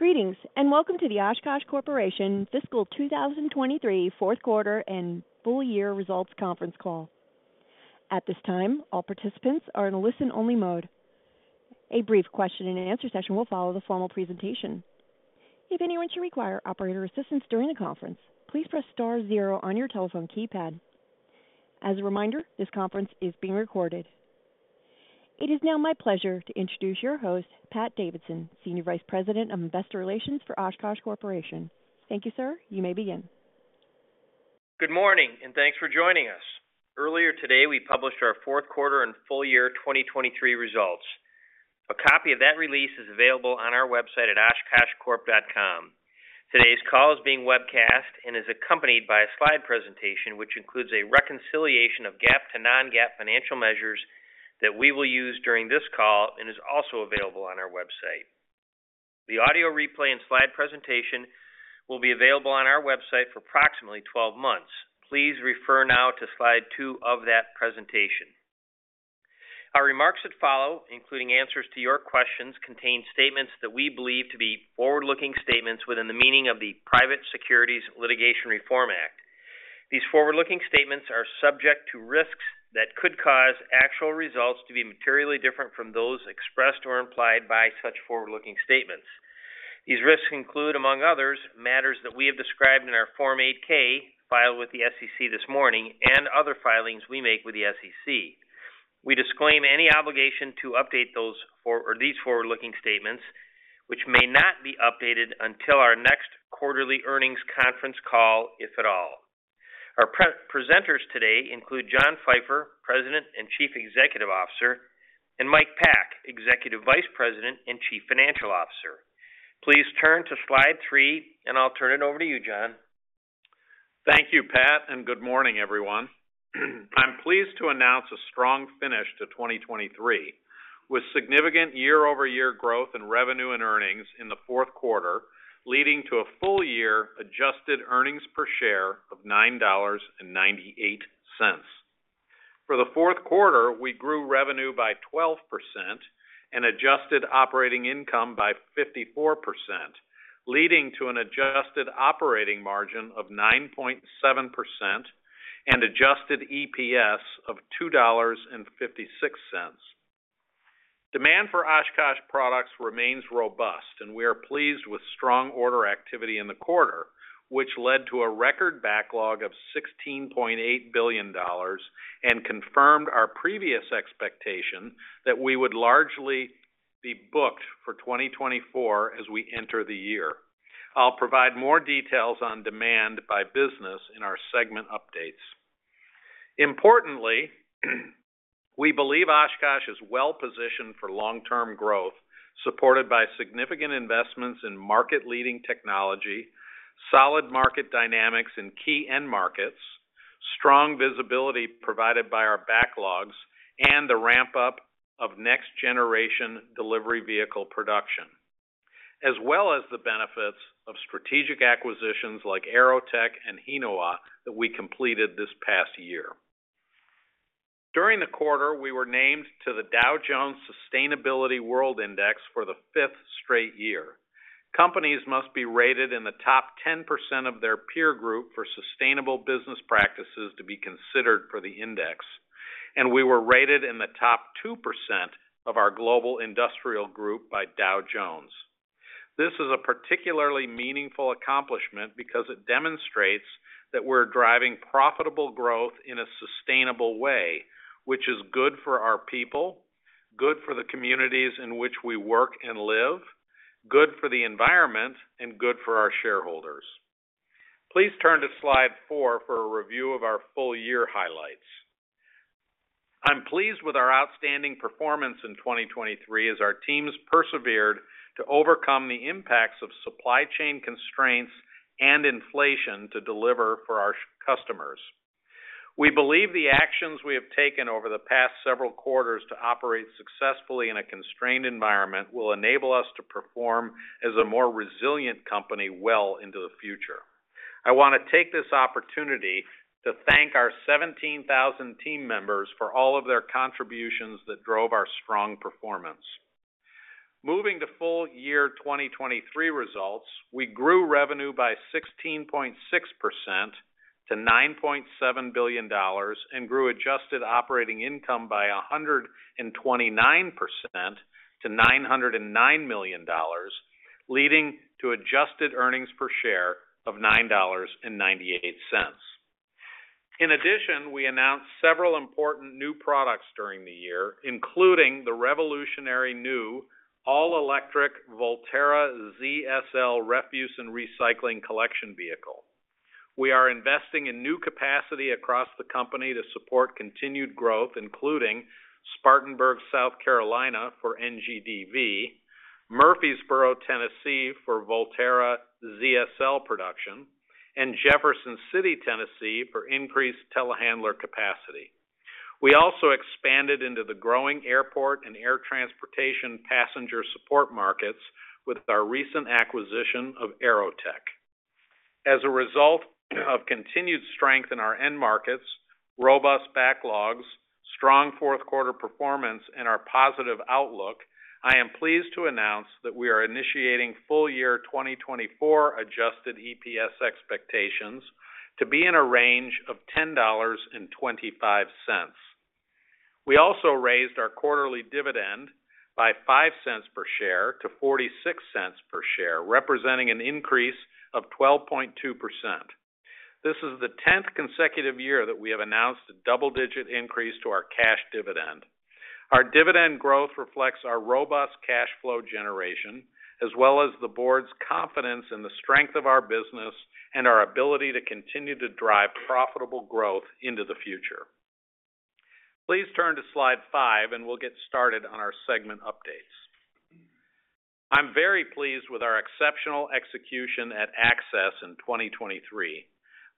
Greetings, and welcome to the Oshkosh Corporation Fiscal 2023 Fourth Quarter and Full Year Results Conference Call. At this time, all participants are in listen-only mode. A brief question-and-answer session will follow the formal presentation. If anyone should require operator assistance during the conference, please press star zero on your telephone keypad. As a reminder, this conference is being recorded. It is now my pleasure to introduce your host, Pat Davidson, Senior Vice President of Investor Relations for Oshkosh Corporation. Thank you, sir. You may begin. Good morning, and thanks for joining us. Earlier today, we published our fourth quarter and full year 2023 results. A copy of that release is available on our website at oshkoshcorp.com. Today's call is being webcast and is accompanied by a slide presentation, which includes a reconciliation of GAAP to non-GAAP financial measures that we will use during this call and is also available on our website. The audio replay and slide presentation will be available on our website for approximately 12 months. Please refer now to slide two of that presentation. Our remarks that follow, including answers to your questions, contain statements that we believe to be forward-looking statements within the meaning of the Private Securities Litigation Reform Act. These forward-looking statements are subject to risks that could cause actual results to be materially different from those expressed or implied by such forward-looking statements. These risks include, among others, matters that we have described in our Form 8-K filed with the SEC this morning and other filings we make with the SEC. We disclaim any obligation to update those or these forward-looking statements, which may not be updated until our next quarterly earnings conference call, if at all. Our presenters today include John Pfeifer, President and Chief Executive Officer, and Mike Pack, Executive Vice President and Chief Financial Officer. Please turn to slide three, and I'll turn it over to you, John. Thank you, Pat, and good morning, everyone. I'm pleased to announce a strong finish to 2023, with significant year-over-year growth in revenue and earnings in the fourth quarter, leading to a full year adjusted earnings per share of $9.98. For the fourth quarter, we grew revenue by 12% and adjusted operating income by 54%, leading to an adjusted operating margin of 9.7% and adjusted EPS of $2.56. Demand for Oshkosh products remains robust, and we are pleased with strong order activity in the quarter, which led to a record backlog of $16.8 billion and confirmed our previous expectation that we would largely be booked for 2024 as we enter the year. I'll provide more details on demand by business in our segment updates. Importantly, we believe Oshkosh is well-positioned for long-term growth, supported by significant investments in market-leading technology, solid market dynamics in key end markets, strong visibility provided by our backlogs, and the ramp-up of next-generation delivery vehicle production, as well as the benefits of strategic acquisitions like AeroTech and Hinowa that we completed this past year. During the quarter, we were named to the Dow Jones Sustainability World Index for the 5th straight year. Companies must be rated in the top 10% of their peer group for sustainable business practices to be considered for the index, and we were rated in the top 2% of our global industrial group by Dow Jones. This is a particularly meaningful accomplishment because it demonstrates that we're driving profitable growth in a sustainable way, which is good for our people, good for the communities in which we work and live, good for the environment, and good for our shareholders. Please turn to slide four for a review of our full year highlights. I'm pleased with our outstanding performance in 2023, as our teams persevered to overcome the impacts of supply chain constraints and inflation to deliver for our customers. We believe the actions we have taken over the past several quarters to operate successfully in a constrained environment will enable us to perform as a more resilient company well into the future. I want to take this opportunity to thank our 17,000 team members for all of their contributions that drove our strong performance. Moving to full year 2023 results, we grew revenue by 16.6% to $9.7 billion and grew adjusted operating income by 129% to $909 million, leading to adjusted earnings per share of $9.98. In addition, we announced several important new products during the year, including the revolutionary new all-electric Volterra ZSL refuse and recycling collection vehicle. We are investing in new capacity across the company to support continued growth, including Spartanburg, South Carolina, for NGDV, Murfreesboro, Tennessee, for Volterra ZSL production, and Jefferson City, Tennessee, for increased telehandler capacity. We also expanded into the growing airport and air transportation passenger support markets with our recent acquisition of AeroTech. As a result of continued strength in our end markets, robust backlogs, strong fourth quarter performance, and our positive outlook, I am pleased to announce that we are initiating full year 2024 Adjusted EPS expectations to be in a range of $10.25. We also raised our quarterly dividend by $0.05 per share to $0.46 per share, representing an increase of 12.2%. This is the 10th consecutive year that we have announced a double-digit increase to our cash dividend. Our dividend growth reflects our robust cash flow generation, as well as the board's confidence in the strength of our business and our ability to continue to drive profitable growth into the future. Please turn to Slide five, and we'll get started on our segment updates. I'm very pleased with our exceptional execution at Access in 2023.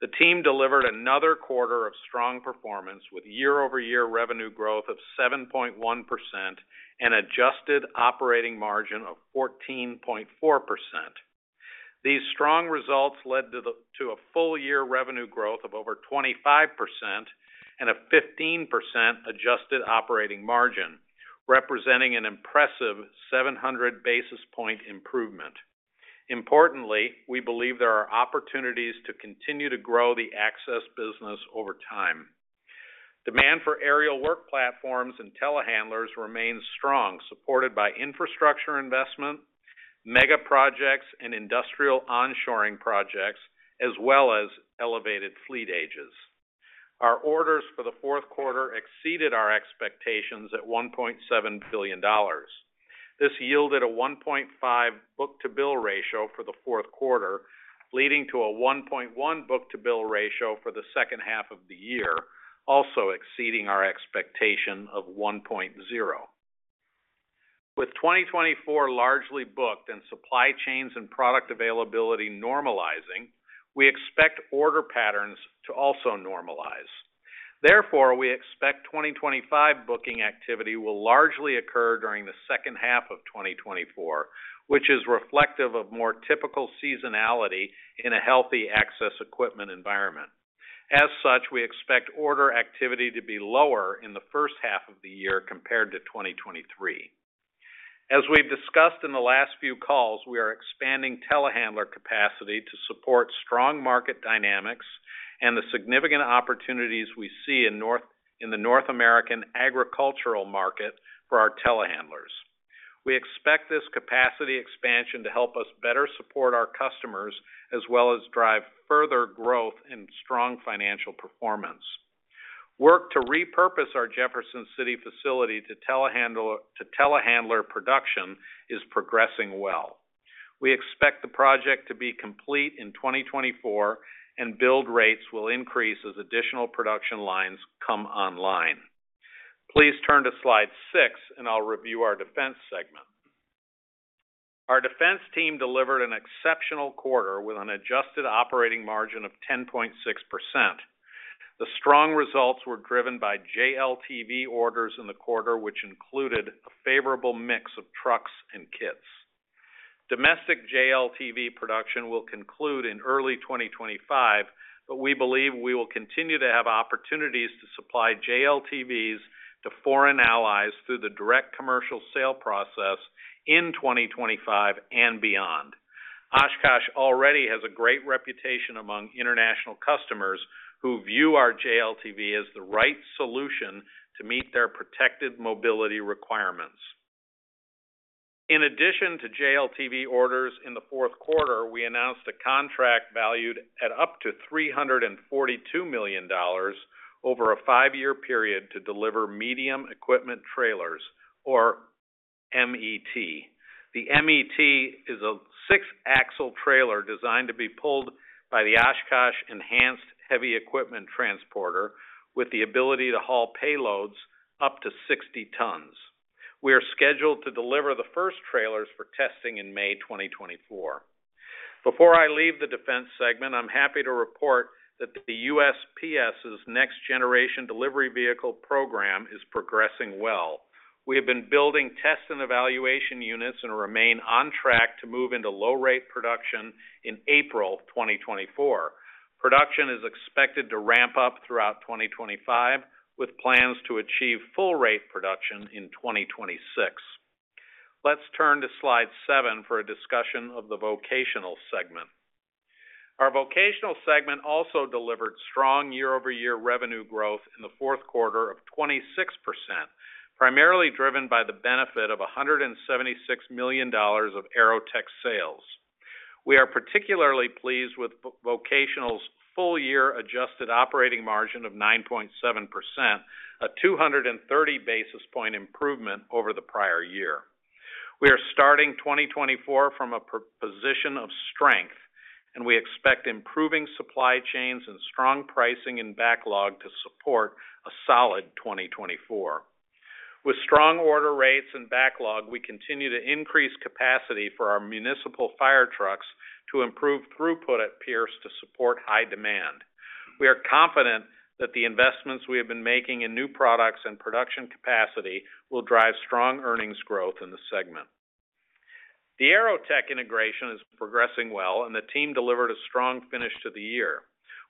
The team delivered another quarter of strong performance, with year-over-year revenue growth of 7.1% and adjusted operating margin of 14.4%. These strong results led to a full year revenue growth of over 25% and a 15% adjusted operating margin, representing an impressive 700 basis point improvement. Importantly, we believe there are opportunities to continue to grow the Access business over time. Demand for aerial work platforms and telehandlers remains strong, supported by infrastructure investment, mega projects, and industrial onshoring projects, as well as elevated fleet ages. Our orders for the fourth quarter exceeded our expectations at $1.7 billion. This yielded a 1.5 book-to-bill ratio for the fourth quarter, leading to a 1.1 book-to-bill ratio for the second half of the year, also exceeding our expectation of 1.0. With 2024 largely booked and supply chains and product availability normalizing, we expect order patterns to also normalize. Therefore, we expect 2025 booking activity will largely occur during the second half of 2024, which is reflective of more typical seasonality in a healthy Access equipment environment. As such, we expect order activity to be lower in the first half of the year compared to 2023. As we've discussed in the last few calls, we are expanding telehandler capacity to support strong market dynamics and the significant opportunities we see in North American agricultural market for our telehandlers. We expect this capacity expansion to help us better support our customers, as well as drive further growth and strong financial performance. Work to repurpose our Jefferson City facility to telehandler production is progressing well. We expect the project to be complete in 2024, and build rates will increase as additional production lines come online. Please turn to Slide six, and I'll review our Defense segment. Our Defense team delivered an exceptional quarter with an Adjusted Operating Margin of 10.6%. The strong results were driven by JLTV orders in the quarter, which included a favorable mix of trucks and kits. Domestic JLTV production will conclude in early 2025, but we believe we will continue to have opportunities to supply JLTVs to foreign allies through the Direct Commercial Sale process in 2025 and beyond. Oshkosh already has a great reputation among international customers, who view our JLTV as the right solution to meet their protected mobility requirements. In addition to JLTV orders in the fourth quarter, we announced a contract valued at up to $342 million over a five year period to deliver Medium Equipment Trailers, or MET. The MET is a 6-axle trailer designed to be pulled by the Oshkosh Enhanced Heavy Equipment Transporter, with the ability to haul payloads up to 60 tons. We are scheduled to deliver the first trailers for testing in May 2024. Before I leave the Defense segment, I'm happy to report that the USPS's Next Generation Delivery Vehicle program is progressing well. We have been building test and evaluation units and remain on track to move into low-rate production in April 2024. Production is expected to ramp up throughout 2025, with plans to achieve full-rate production in 2026. Let's turn to slide seven for a discussion of the Vocational segment. Our Vocational segment also delivered strong year-over-year revenue growth in the fourth quarter of 26%, primarily driven by the benefit of $176 million of AeroTech sales. We are particularly pleased with Vocational's full year adjusted operating margin of 9.7%, a 230 basis point improvement over the prior year. We are starting 2024 from a position of strength, and we expect improving supply chains and strong pricing and backlog to support a solid 2024. With strong order rates and backlog, we continue to increase capacity for our municipal fire trucks to improve throughput at Pierce to support high demand. We are confident that the investments we have been making in new products and production capacity will drive strong earnings growth in the segment. The AeroTech integration is progressing well and the team delivered a strong finish to the year.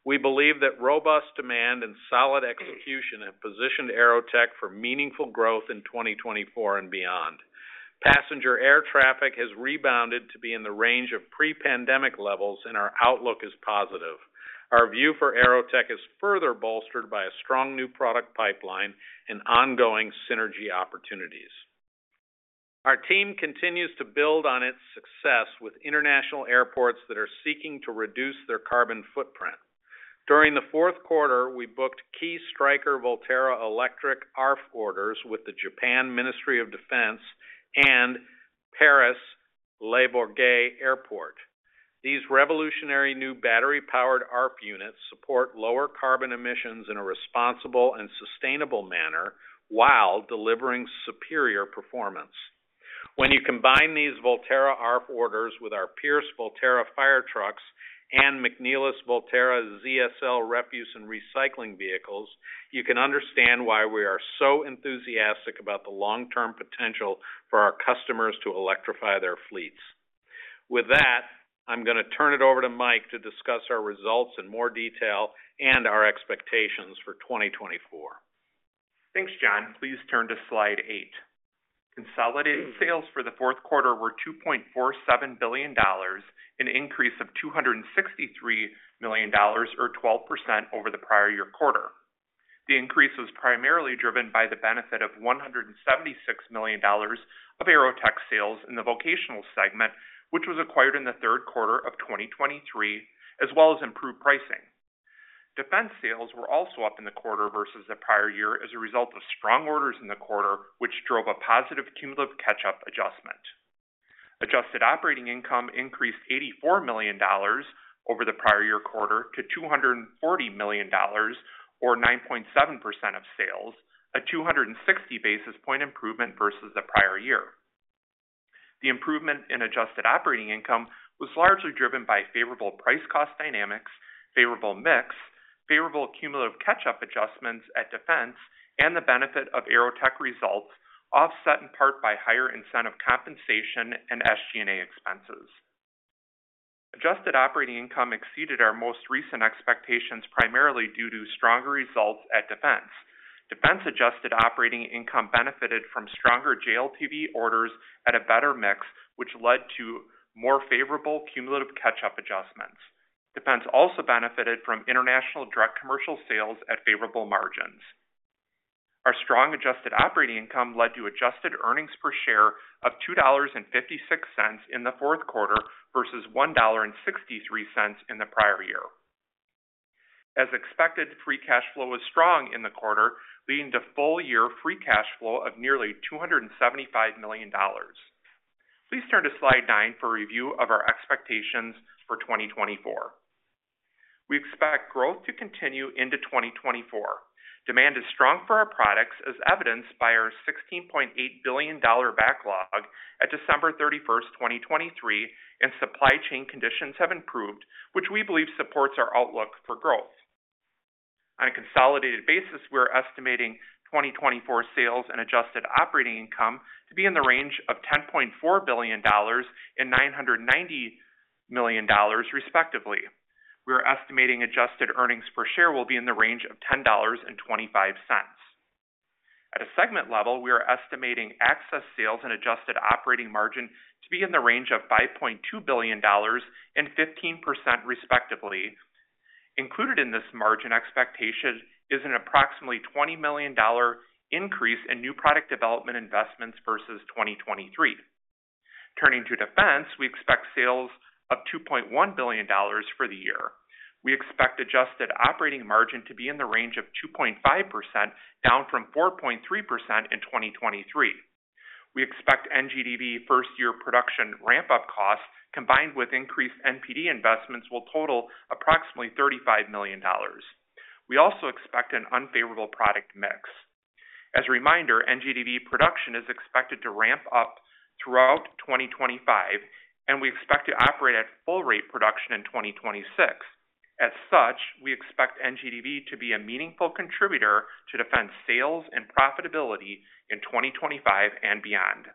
We believe that robust demand and solid execution have positioned AeroTech for meaningful growth in 2024 and beyond. Passenger air traffic has rebounded to be in the range of pre-pandemic levels, and our outlook is positive. Our view for AeroTech is further bolstered by a strong new product pipeline and ongoing synergy opportunities. Our team continues to build on its success with international airports that are seeking to reduce their carbon footprint. During the fourth quarter, we booked key Striker Volterra Electric ARFF orders with the Japan Ministry of Defense and Paris Le Bourget Airport. These revolutionary new battery-powered ARFF units support lower carbon emissions in a responsible and sustainable manner while delivering superior performance. When you combine these Volterra ARFF orders with our Pierce Volterra fire trucks and McNeilus Volterra ZSL refuse and recycling vehicles, you can understand why we are so enthusiastic about the long-term potential for our customers to electrify their fleets. With that, I'm going to turn it over to Mike to discuss our results in more detail and our expectations for 2024. Thanks, John. Please turn to Slide eight. Consolidated sales for the fourth quarter were $2.47 billion, an increase of $263 million or 12% over the prior year quarter. The increase was primarily driven by the benefit of $176 million of AeroTech sales in the Vocational segment, which was acquired in the third quarter of 2023, as well as improved pricing. Defense sales were also up in the quarter versus the prior year as a result of strong orders in the quarter, which drove a positive cumulative catch-up adjustment. Adjusted operating income increased $84 million over the prior year quarter to $240 million, or 9.7% of sales, a 260 basis point improvement versus the prior year. The improvement in adjusted operating income was largely driven by favorable price cost dynamics, favorable mix, favorable cumulative catch-up adjustments at Defense, and the benefit of AeroTech results, offset in part by higher incentive compensation and SG&A expenses. Adjusted operating income exceeded our most recent expectations, primarily due to stronger results at Defense. Defense adjusted operating income benefited from stronger JLTV orders at a better mix, which led to more favorable cumulative catch-up adjustments. Defense also benefited from international Direct Commercial Sales at favorable margins. Our strong adjusted operating income led to adjusted earnings per share of $2.56 in the fourth quarter versus $1.63 in the prior year. As expected, free cash flow was strong in the quarter, leading to full year free cash flow of nearly $275 million. Please turn to Slide nine for a review of our expectations for 2024. We expect growth to continue into 2024. Demand is strong for our products, as evidenced by our $16.8 billion backlog at December 31, 2023, and supply chain conditions have improved, which we believe supports our outlook for growth. On a consolidated basis, we are estimating 2024 sales and adjusted operating income to be in the range of $10.4 billion and $990 million, respectively. We are estimating adjusted earnings per share will be in the range of $10.25. At a segment level, we are estimating Access sales and adjusted operating margin to be in the range of $5.2 billion and 15%, respectively. Included in this margin expectation is an approximately $20 million increase in new product development investments versus 2023. Turning to Defense, we expect sales of $2.1 billion for the year. We expect adjusted operating margin to be in the range of 2.5%, down from 4.3% in 2023. We expect NGDV first year production ramp-up costs, combined with increased NPD investments, will total approximately $35 million. We also expect an unfavorable product mix. As a reminder, NGDV production is expected to ramp up throughout 2025, and we expect to operate at full rate production in 2026. As such, we expect NGDV to be a meaningful contributor to Defense sales and profitability in 2025 and beyond.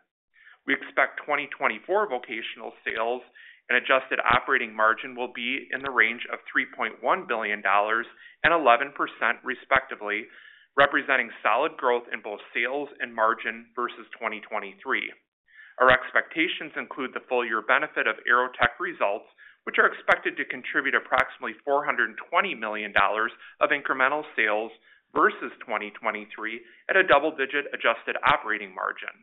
We expect 2024 Vocational sales and adjusted operating margin will be in the range of $3.1 billion and 11%, respectively, representing solid growth in both sales and margin versus 2023. Our expectations include the full-year benefit of AeroTech results, which are expected to contribute approximately $420 million of incremental sales versus 2023 at a double-digit adjusted operating margin.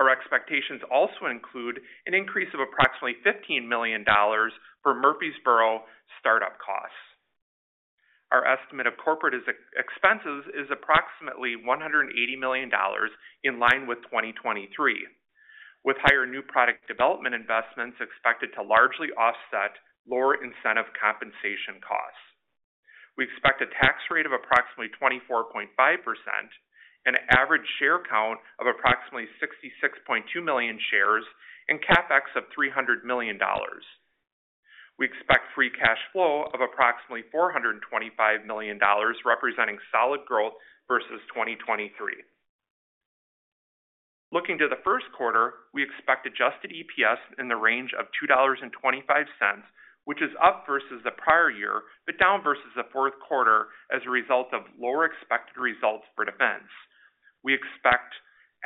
Our expectations also include an increase of approximately $15 million for Murfreesboro startup costs. Our estimate of corporate expenses is approximately $180 million, in line with 2023, with higher new product development investments expected to largely offset lower incentive compensation costs. We expect a tax rate of approximately 24.5% and an average share count of approximately 66.2 million shares and CapEx of $300 million. We expect free cash flow of approximately $425 million, representing solid growth versus 2023. Looking to the first quarter, we expect adjusted EPS in the range of $2.25, which is up versus the prior year, but down versus the fourth quarter as a result of lower expected results for Defense. We expect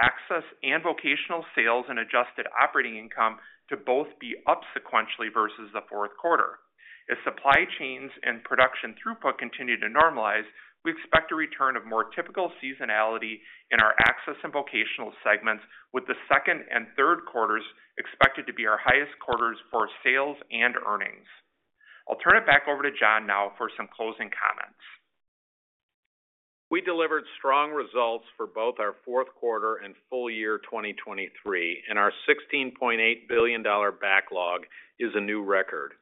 Access and vocational sales and adjusted operating income to both be up sequentially versus the fourth quarter. As supply chains and production throughput continue to normalize, we expect a return of more typical seasonality in our Access and vocational segments, with the second and third quarters expected to be our highest quarters for sales and earnings. I'll turn it back over to John now for some closing comments. We delivered strong results for both our fourth quarter and full year 2023, and our $16.8 billion backlog is a new record.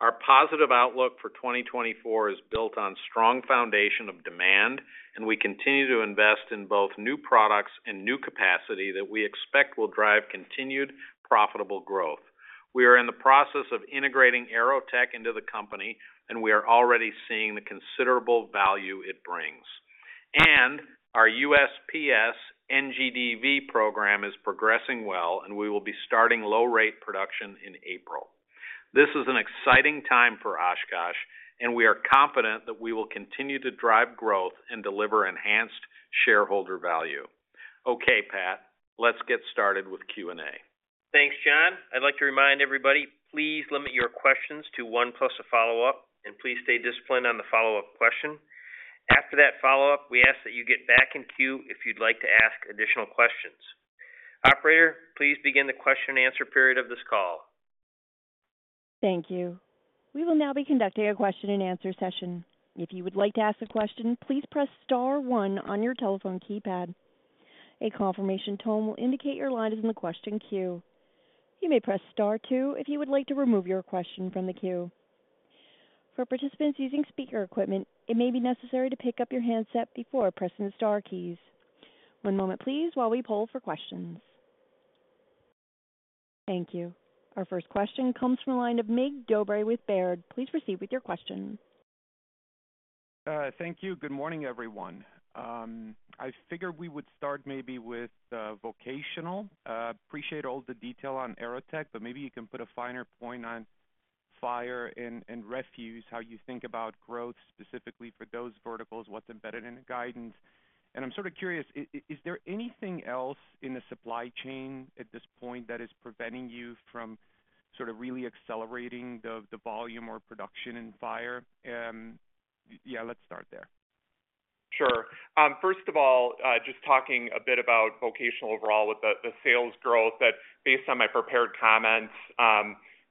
Our positive outlook for 2024 is built on strong foundation of demand, and we continue to invest in both new products and new capacity that we expect will drive continued profitable growth. We are in the process of integrating AeroTech into the company, and we are already seeing the considerable value it brings. Our USPS NGDV program is progressing well, and we will be starting low-rate production in April. This is an exciting time for Oshkosh, and we are confident that we will continue to drive growth and deliver enhanced shareholder value. Okay, Pat, let's get started with Q and A. Thanks, John. I'd like to remind everybody, please limit your questions to one, plus a follow-up, and please stay disciplined on the follow-up question. After that follow-up, we ask that you get back in queue if you'd like to ask additional questions. Operator, please begin the question-and-answer period of this call. Thank you. We will now be conducting a question-and-answer session. If you would like to ask a question, please press star one on your telephone keypad. A confirmation tone will indicate your line is in the question queue. You may press star two if you would like to remove your question from the queue. For participants using speaker equipment, it may be necessary to pick up your handset before pressing the star keys. One moment please, while we poll for questions. Thank you. Our first question comes from the line of Mig Dobre with Baird. Please proceed with your question. Thank you. Good morning, everyone. I figured we would start maybe with Vocational. Appreciate all the detail on AeroTech, but maybe you can put a finer point on fire and refuse how you think about growth, specifically for those verticals, what's embedded in the guidance. And I'm sort of curious, is there anything else in the supply chain at this point that is preventing you from sort of really accelerating the volume or production in fire? Yeah, let's start there. Sure. First of all, just talking a bit about Vocational overall with the sales growth, that based on my prepared comments,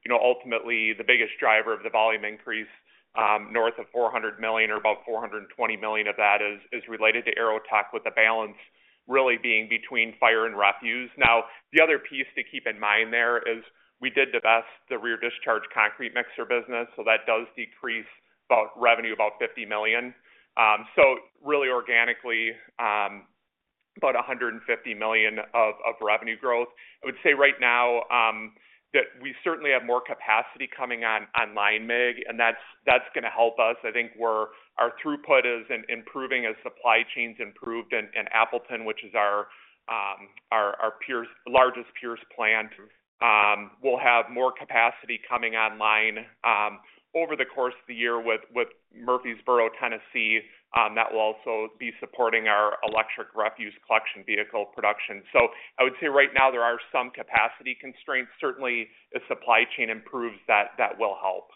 you know, ultimately, the biggest driver of the volume increase north of $400 million or about $420 million of that is related to AeroTech, with the balance really being between fire and refuse. Now, the other piece to keep in mind there is we did divest the rear discharge concrete mixer business, so that does decrease revenue about $50 million. So really organically, about $150 million of revenue growth. I would say right now that we certainly have more capacity coming on online, Mig, and that's going to help us. I think we're—our throughput is improving as supply chains improved. Appleton, which is our largest Pierce plant, will have more capacity coming online over the course of the year with Murfreesboro, Tennessee, that will also be supporting our electric refuse collection vehicle production. So I would say right now there are some capacity constraints. Certainly, if supply chain improves, that will help.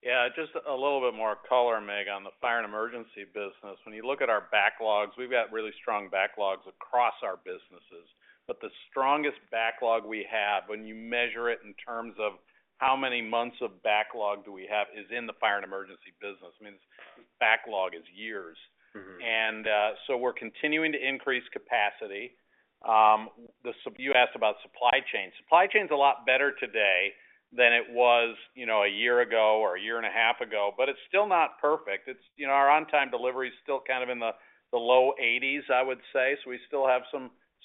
Yeah, just a little bit more color, Mig, on the Fire & Emergency business. When you look at our backlogs, we've got really strong backlogs across our businesses, but the strongest backlog we have when you measure it in terms of how many months of backlog do we have, is in the Fire & Emergency business. I mean, backlog is years. Mm-hmm. We're continuing to increase capacity. You asked about supply chain. Supply chain is a lot better today than it was, you know, a year ago or a year and a half ago, but it's still not perfect. It's, you know, our on-time delivery is still kind of in the low eighties, I would say. So we still have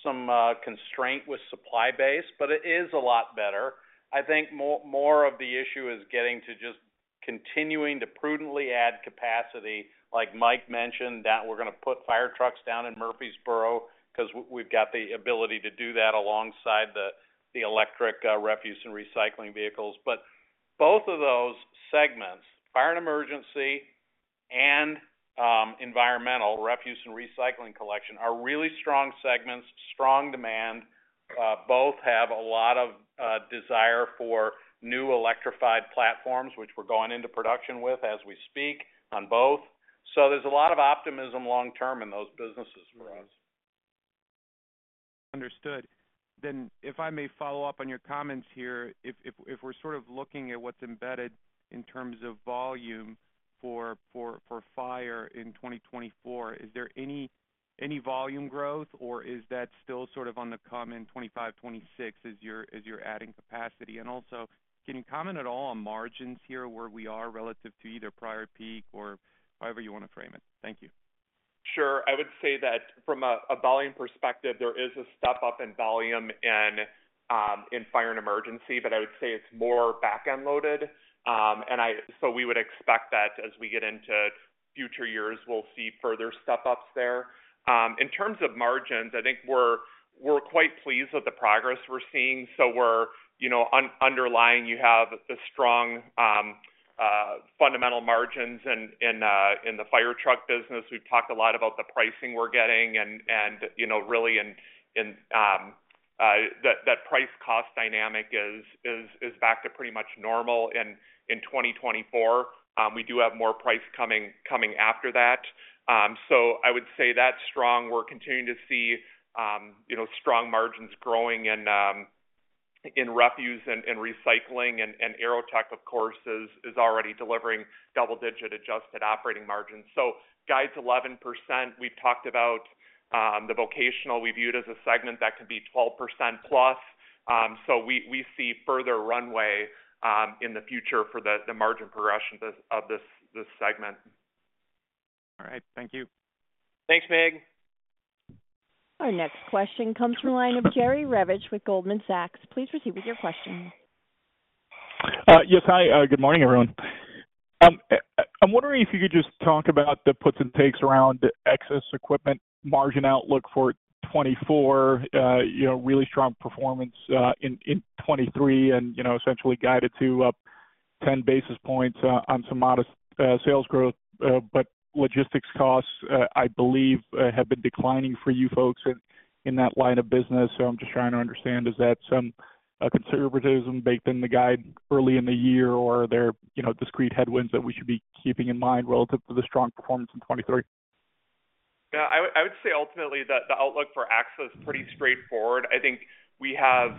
some constraint with supply base, but it is a lot better. I think more of the issue is getting to just continuing to prudently add capacity, like Mike mentioned, that we're going to put fire trucks down in Murfreesboro because we've got the ability to do that alongside the electric refuse and recycling vehicles. But both of those segments, Fire & Emergency and environmental refuse and recycling collection, are really strong segments, strong demand. Both have a lot of desire for new electrified platforms, which we're going into production with as we speak on both. So there's a lot of optimism long term in those businesses for us. Understood. Then, if I may follow up on your comments here, if we're sort of looking at what's embedded in terms of volume for fire in 2024, is there any volume growth, or is that still sort of on the coming 2025, 2026 as you're adding capacity? And also, can you comment at all on margins here, where we are relative to either prior peak or however you want to frame it? Thank you. Sure. I would say that from a volume perspective, there is a step up in volume in Fire & Emergency, but I would say it's more back-end loaded. And so we would expect that as we get into future years, we'll see further step ups there. In terms of margins, I think we're quite pleased with the progress we're seeing. So we're, you know, underlying, you have the strong fundamental margins in the fire truck business. We've talked a lot about the pricing we're getting and, you know, really in that price cost dynamic is back to pretty much normal in 2024. We do have more price coming after that. So I would say that's strong. We're continuing to see, you know, strong margins growing in, in refuse and recycling, and AeroTech, of course, is already delivering double-digit adjusted operating margins. So guide's 11%. We've talked about, the Vocational we viewed as a segment that could be 12%+. So we see further runway, in the future for the margin progression of this segment. All right. Thank you. Thanks, Mig. Our next question comes from the line of Jerry Revich with Goldman Sachs. Please proceed with your question. Yes. Hi. Good morning, everyone. I'm wondering if you could just talk about the puts and takes around Access equipment margin outlook for 2024. You know, really strong performance in 2023 and, you know, essentially guided to 10 basis points on some modest sales growth. But logistics costs, I believe, have been declining for you folks in that line of business. So I'm just trying to understand, is that some conservatism baked in the guide early in the year, or are there, you know, discrete headwinds that we should be keeping in mind relative to the strong performance in 2023? Yeah, I would say ultimately that the outlook for Access is pretty straightforward. I think we have,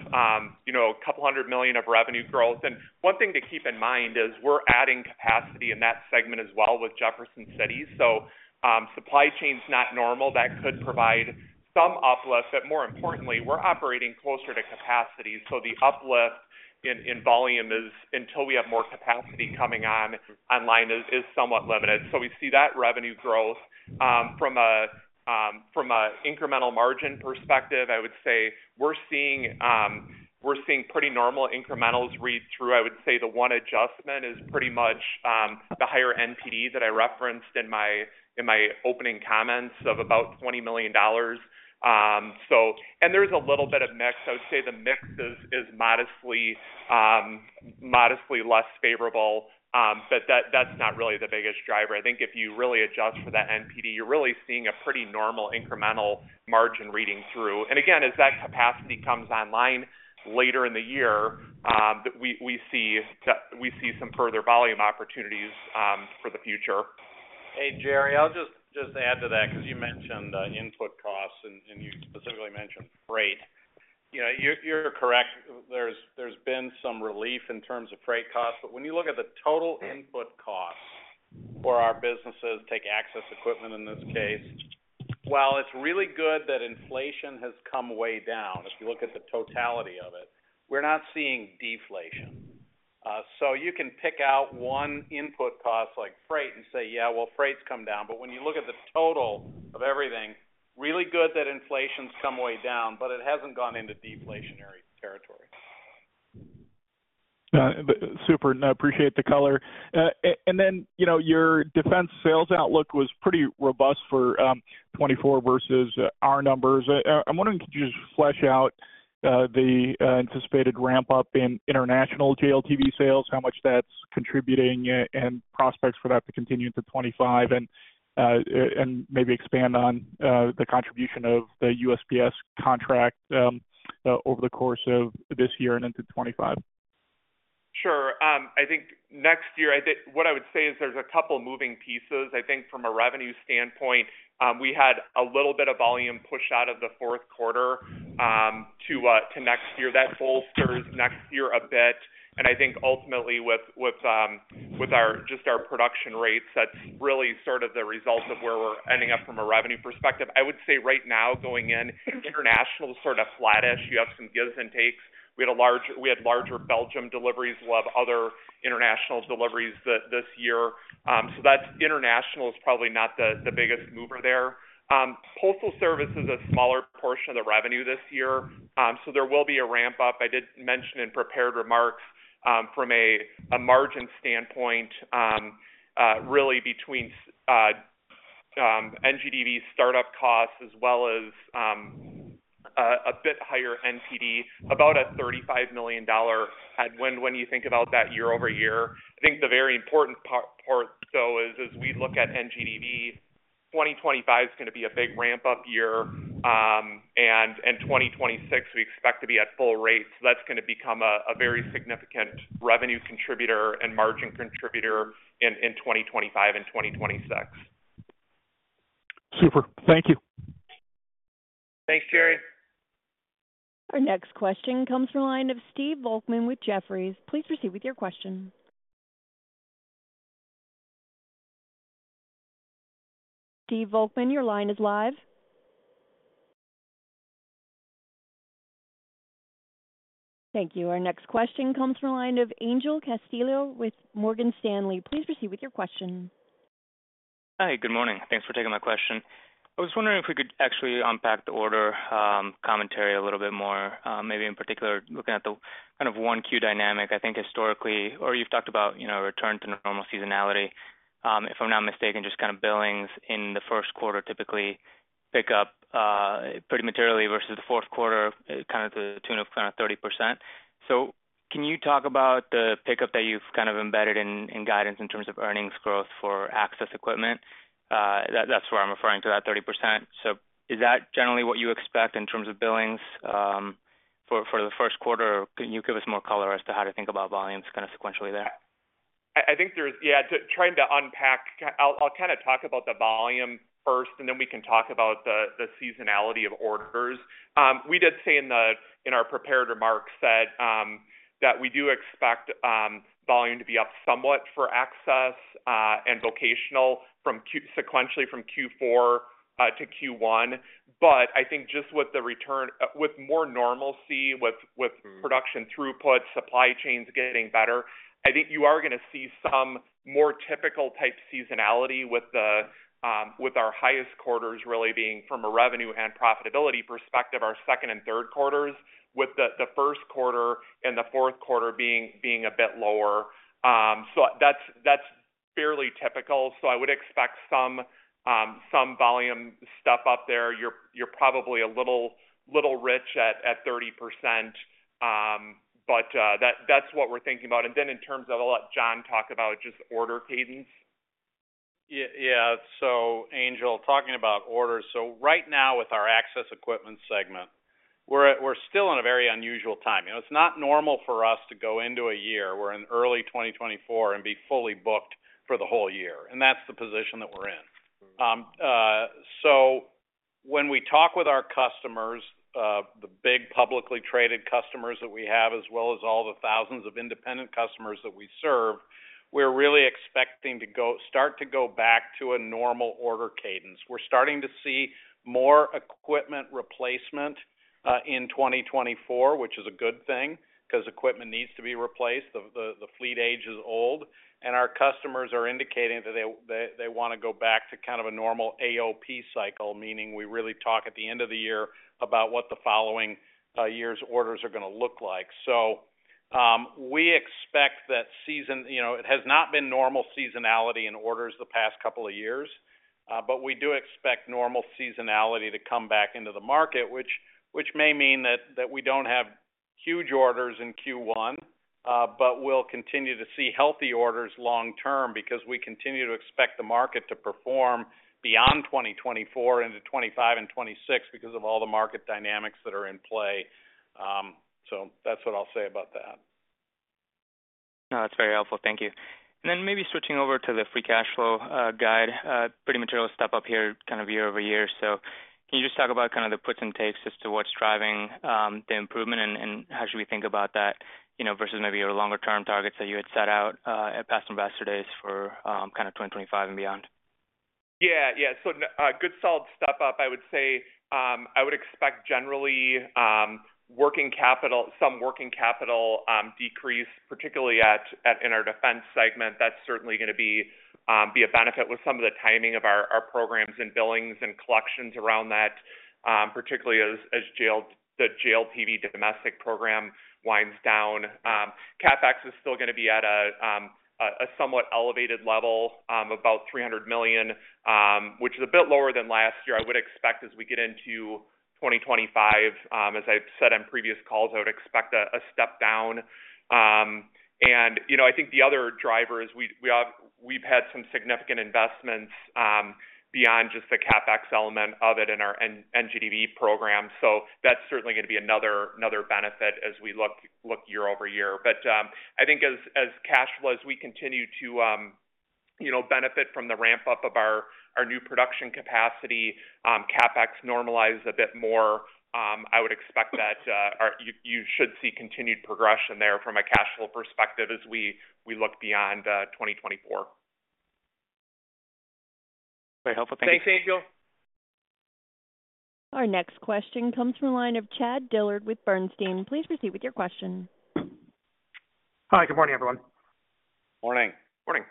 you know, $200 million of revenue growth. And one thing to keep in mind is we're adding capacity in that segment as well with Jefferson City. So, supply chain is not normal. That could provide some uplift, but more importantly, we're operating closer to capacity, so the uplift in volume is, until we have more capacity coming on online, somewhat limited. So we see that revenue growth. From an incremental margin perspective, I would say we're seeing pretty normal incrementals read through. I would say the one adjustment is pretty much the higher NPD that I referenced in my opening comments of about $20 million. So, There's a little bit of mix. I would say the mix is modestly less favorable, but that's not really the biggest driver. I think if you really adjust for that NPD, you're really seeing a pretty normal incremental margin reading through. And again, as that capacity comes online later in the year, we see some further volume opportunities for the future. Hey, Jerry, I'll just add to that because you mentioned the input costs and you specifically mentioned freight. You know, you're correct. There's been some relief in terms of freight costs, but when you look at the total input costs for our businesses, take Access Equipment in this case, while it's really good that inflation has come way down, if you look at the totality of it, we're not seeing deflation. So you can pick out one input cost like freight and say, "Yeah, well, freight's come down." But when you look at the total of everything, really good that inflation's come way down, but it hasn't gone into deflationary territory. Super. I appreciate the color. And then, you know, your Defense sales outlook was pretty robust for 2024 versus our numbers. I'm wondering, could you just flesh out the anticipated ramp-up in international JLTV sales, how much that's contributing, and prospects for that to continue into 2025? And maybe expand on the contribution of the USPS contract over the course of this year and into 2025. Sure. I think next year, I think what I would say is there's a couple moving pieces. I think from a revenue standpoint, we had a little bit of volume push out of the fourth quarter to next year. That bolsters next year a bit. And I think ultimately with just our production rates, that's really sort of the result of where we're ending up from a revenue perspective. I would say right now, going in, international is sort of flattish. You have some gives and takes. We had larger Belgium deliveries. We'll have other international deliveries this year. So that's international is probably not the biggest mover there. Postal service is a smaller portion of the revenue this year, so there will be a ramp-up. I did mention in prepared remarks, from a margin standpoint, really between NGDV startup costs as well as a bit higher NPD, about a $35 million headwind when you think about that year-over-year. I think the very important part though is as we look at NGDV, 2025 is gonna be a big ramp-up year, and 2026, we expect to be at full rate. So that's gonna become a very significant revenue contributor and margin contributor in 2025 and 2026. Super. Thank you. Thanks, Jerry. Our next question comes from the line of Steve Volkmann with Jefferies. Please proceed with your question. Steve Volkmann, your line is live. Thank you. Our next question comes from the line of Angel Castillo with Morgan Stanley. Please proceed with your question. Hi, good morning. Thanks for taking my question. I was wondering if we could actually unpack the order commentary a little bit more, maybe in particular, looking at the kind of 1Q dynamic. I think historically, or you've talked about, you know, return to normal seasonality, if I'm not mistaken, just kind of billings in the first quarter typically pick up pretty materially versus the fourth quarter, kind of to the tune of 30%. So can you talk about the pickup that you've kind of embedded in guidance in terms of earnings growth for Access equipment? That's where I'm referring to, that 30%. So is that generally what you expect in terms of billings for the first quarter? Can you give us more color as to how to think about volumes kind of sequentially there? I'll kind of talk about the volume first, and then we can talk about the seasonality of orders. We did say in our prepared remarks that we do expect volume to be up somewhat for Access and Vocational from Q1 sequentially from Q4 to Q1. But I think just with the return, with more normalcy, with production throughput, supply chains getting better, I think you are going to see some more typical type seasonality with our highest quarters really being from a revenue and profitability perspective, our second and third quarters, with the first quarter and the fourth quarter being a bit lower. So that's fairly typical. So I would expect some volume stuff up there. You're probably a little rich at 30%, but that's what we're thinking about. And then in terms of, I'll let John talk about just order cadence. Yeah. Yeah. So Angel, talking about orders. So right now, with our Access equipment segment, we're still in a very unusual time. You know, it's not normal for us to go into a year, we're in early 2024, and be fully booked for the whole year, and that's the position that we're in. So when we talk with our customers, the big publicly traded customers that we have, as well as all the thousands of independent customers that we serve, we're really expecting to start to go back to a normal order cadence. We're starting to see more equipment replacement in 2024, which is a good thing because equipment needs to be replaced. The fleet age is old, and our customers are indicating that they want to go back to kind of a normal AOP cycle, meaning we really talk at the end of the year about what the following year's orders are going to look like. So, we expect that seasonality—you know, it has not been normal seasonality in orders the past couple of years, but we do expect normal seasonality to come back into the market, which may mean that we don't have huge orders in Q1, but we'll continue to see healthy orders long term because we continue to expect the market to perform beyond 2024 into 2025 and 2026 because of all the market dynamics that are in play. So that's what I'll say about that. No, that's very helpful. Thank you. And then maybe switching over to the free cash flow guide, pretty material step up here, kind of year-over-year. So can you just talk about kind of the puts and takes as to what's driving the improvement and how should we think about that, you know, versus maybe your longer term targets that you had set out at past Investor Days for kind of 2025 and beyond? Yeah. Yeah. So, good solid step up. I would say, I would expect generally, working capital, some working capital, decrease, particularly at, in our Defense segment. That's certainly going to be, be a benefit with some of the timing of our, our programs and billings and collections around that, particularly as, as the JLTV domestic program winds down. CapEx is still going to be at a, a somewhat elevated level, about $300 million, which is a bit lower than last year. I would expect as we get into 2025, as I've said on previous calls, I would expect a, a step down. And, you know, I think the other driver is we, we have- we've had some significant investments, beyond just the CapEx element of it in our NGDV program. So that's certainly going to be another benefit as we look year over year. But, I think as cash flows, we continue to, you know, benefit from the ramp-up of our new production capacity, CapEx normalize a bit more, I would expect that, you should see continued progression there from a cash flow perspective as we look beyond 2024. Very helpful. Thank you. Thanks, Angel. Our next question comes from the line of Chad Dillard with Bernstein. Please proceed with your question. Hi, good morning, everyone. Morning. Morning.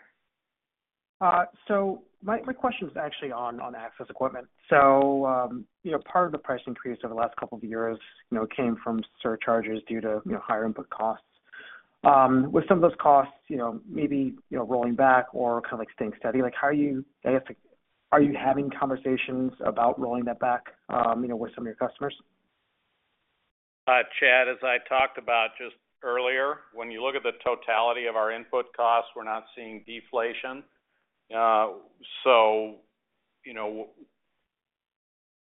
So my question is actually on Access equipment. So, you know, part of the price increase over the last couple of years, you know, came from surcharges due to, you know, higher input costs. With some of those costs, you know, maybe, you know, rolling back or kind of like staying steady, like, how are you, I guess, are you having conversations about rolling that back, you know, with some of your customers? Chad, as I talked about just earlier, when you look at the totality of our input costs, we're not seeing deflation. You know,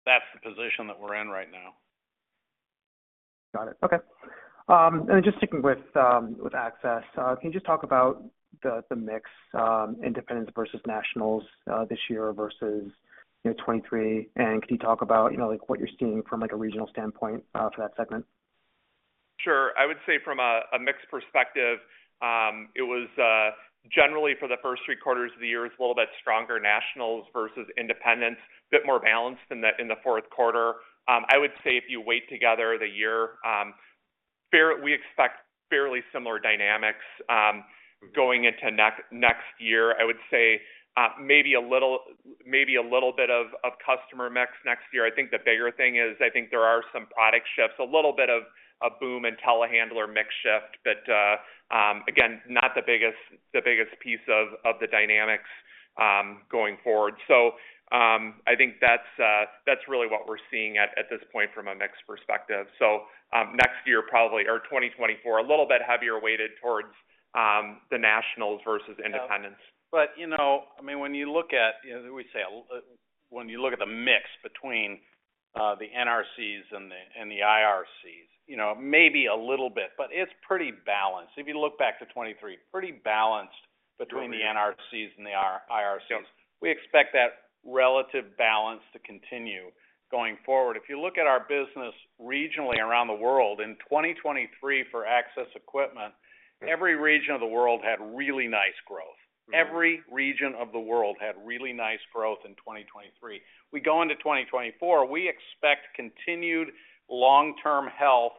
that's the position that we're in right now. Got it. Okay. And just sticking with Access, can you just talk about the mix, independents versus nationals, this year versus 2023? Can you talk about, you know, like, what you're seeing from, like, a regional standpoint, for that segment? Sure. I would say from a mix perspective, it was generally for the first three quarters of the year. It's a little bit stronger nationals versus independents, a bit more balanced in the fourth quarter. I would say if you weigh together the year, we expect fairly similar dynamics going into next year. I would say maybe a little bit of customer mix next year. I think the bigger thing is, I think there are some product shifts, a little bit of a boom in telehandler mix shift, but again, not the biggest piece of the dynamics going forward. So, I think that's really what we're seeing at this point from a mix perspective. Next year, probably, or 2024, a little bit heavier weighted towards the nationals versus independents. But, you know, I mean, when you look at, you know, we say, when you look at the mix between the NRCs and the IRCs, you know, maybe a little bit, but it's pretty balanced. If you look back to 2023, pretty balanced between the NRCs and the IRCs. We expect that relative balance to continue going forward. If you look at our business regionally around the world, in 2023 for Access equipment, every region of the world had really nice growth. Mm-hmm. Every region of the world had really nice growth in 2023. We go into 2024, we expect continued long-term health,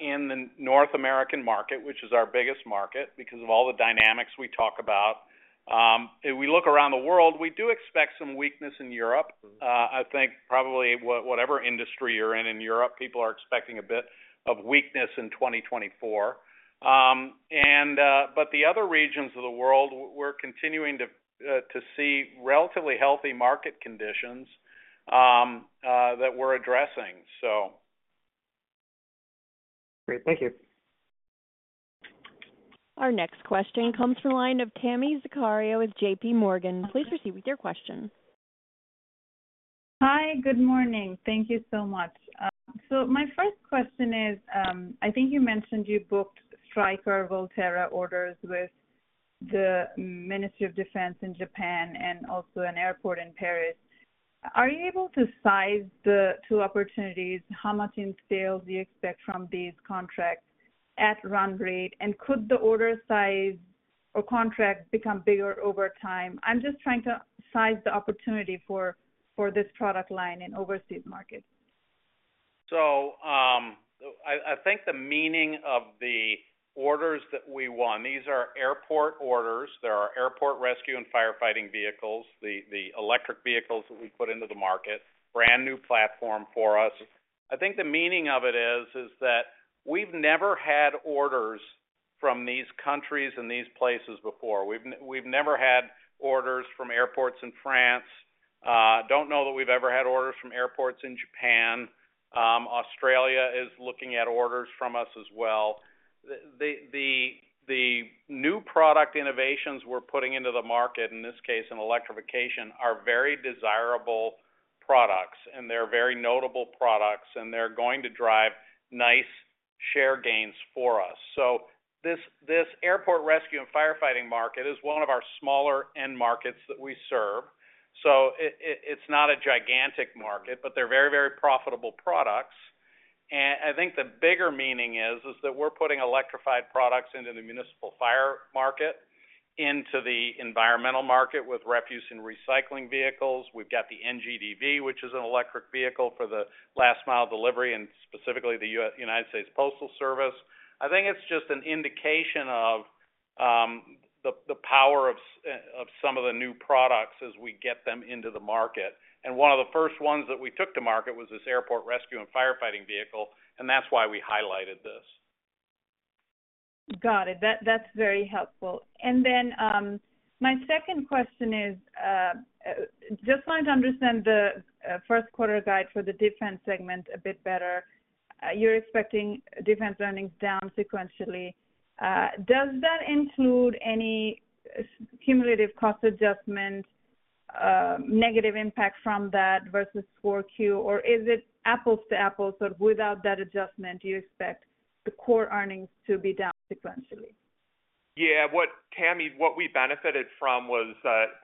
in the North American market, which is our biggest market, because of all the dynamics we talk about. If we look around the world, we do expect some weakness in Europe. Mm-hmm. I think probably whatever industry you're in, in Europe, people are expecting a bit of weakness in 2024. But the other regions of the world, we're continuing to see relatively healthy market conditions that we're addressing, so. Great. Thank you. Our next question comes from the line of Tami Zakaria with JPMorgan. Please proceed with your question. Hi, good morning. Thank you so much. So my first question is, I think you mentioned you booked Striker Volterra orders with the Ministry of Defense in Japan and also an airport in Paris. Are you able to size the two opportunities? How much in sales do you expect from these contracts at run rate? And could the order size or contract become bigger over time? I'm just trying to size the opportunity for, for this product line in overseas markets. So, I think the meaning of the orders that we won, these are airport orders. They are airport rescue and firefighting vehicles, the electric vehicles that we put into the market, brand new platform for us. I think the meaning of it is that we've never had orders from these countries and these places before. We've never had orders from airports in France. Don't know that we've ever had orders from airports in Japan. Australia is looking at orders from us as well. The new product innovations we're putting into the market, in this case, in electrification, are very desirable products, and they're very notable products, and they're going to drive nice share gains for us. So this airport rescue and firefighting market is one of our smaller end markets that we serve. So it's not a gigantic market, but they're very, very profitable products. And I think the bigger meaning is that we're putting electrified products into the municipal fire market, into the environmental market with refuse and recycling vehicles. We've got the NGDV, which is an electric vehicle for the last mile delivery, and specifically the United States Postal Service. I think it's just an indication of the power of some of the new products as we get them into the market. And one of the first ones that we took to market was this airport rescue and firefighting vehicle, and that's why we highlighted this. Got it. That's very helpful. And then, my second question is just wanting to understand the first quarter guide for the Defense segment a bit better. You're expecting Defense earnings down sequentially. Does that include any cumulative cost adjustment, negative impact from that versus 4Q? Or is it apples to apples, so without that adjustment, do you expect the core earnings to be down sequentially? Yeah, Tami, what we benefited from was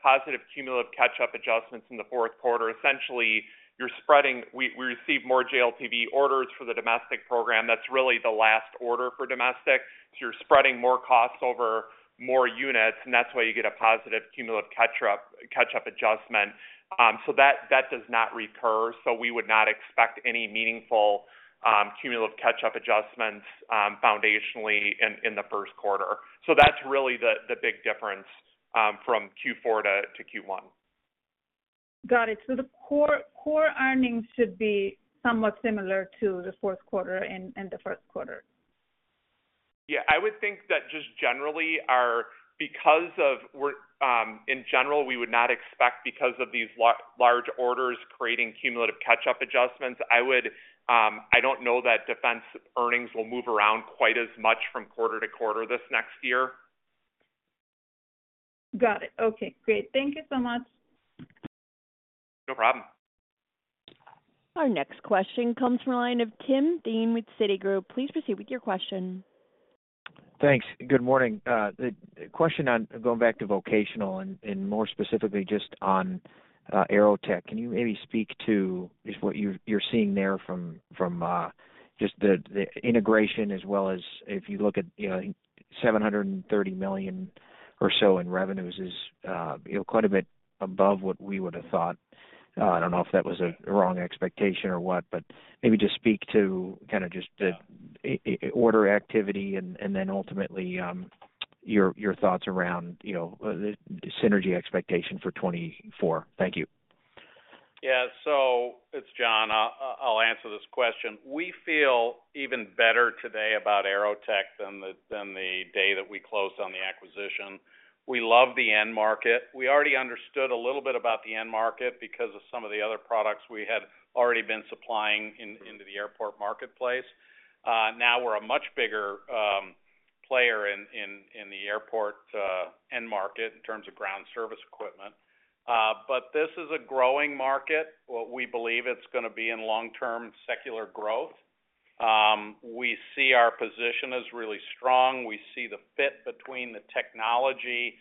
positive cumulative catch-up adjustments in the fourth quarter. Essentially, you're spreading—we received more JLTV orders for the domestic program. That's really the last order for domestic. So you're spreading more costs over more units, and that's why you get a positive cumulative catch-up adjustment. So that does not recur, so we would not expect any meaningful cumulative catch-up adjustments foundationally in the first quarter. So that's really the big difference from Q4 to Q1. Got it. So the core earnings should be somewhat similar to the fourth quarter and the first quarter? Yeah, I would think that just generally, because we're in general, we would not expect because of these large orders creating cumulative catch-up adjustments, I would, I don't know that Defense earnings will move around quite as much from quarter to quarter this next year. Got it. Okay, great. Thank you so much. No problem. Our next question comes from the line of Tim Thein with Citigroup. Please proceed with your question. Thanks. Good morning. The question on going back to Vocational and, and more specifically just on, AeroTech, can you maybe speak to just what you've-- you're seeing there from, from, just the, the integration as well as if you look at, you know, $730 million or so in revenues is, you know, quite a bit above what we would have thought. I don't know if that was a, a wrong expectation or what, but maybe just speak to kind of just the order activity and, and then ultimately, your, your thoughts around, you know, the synergy expectation for 2024. Thank you. Yeah. So it's John. I'll answer this question. We feel even better today about AeroTech than the, than the day that we closed on the acquisition. We love the end market. We already understood a little bit about the end market because of some of the other products we had already been supplying in, into the airport marketplace. Now we're a much bigger player in the airport end market in terms of ground service equipment. But this is a growing market. What we believe it's going to be in long-term secular growth. We see our position as really strong. We see the fit between the technology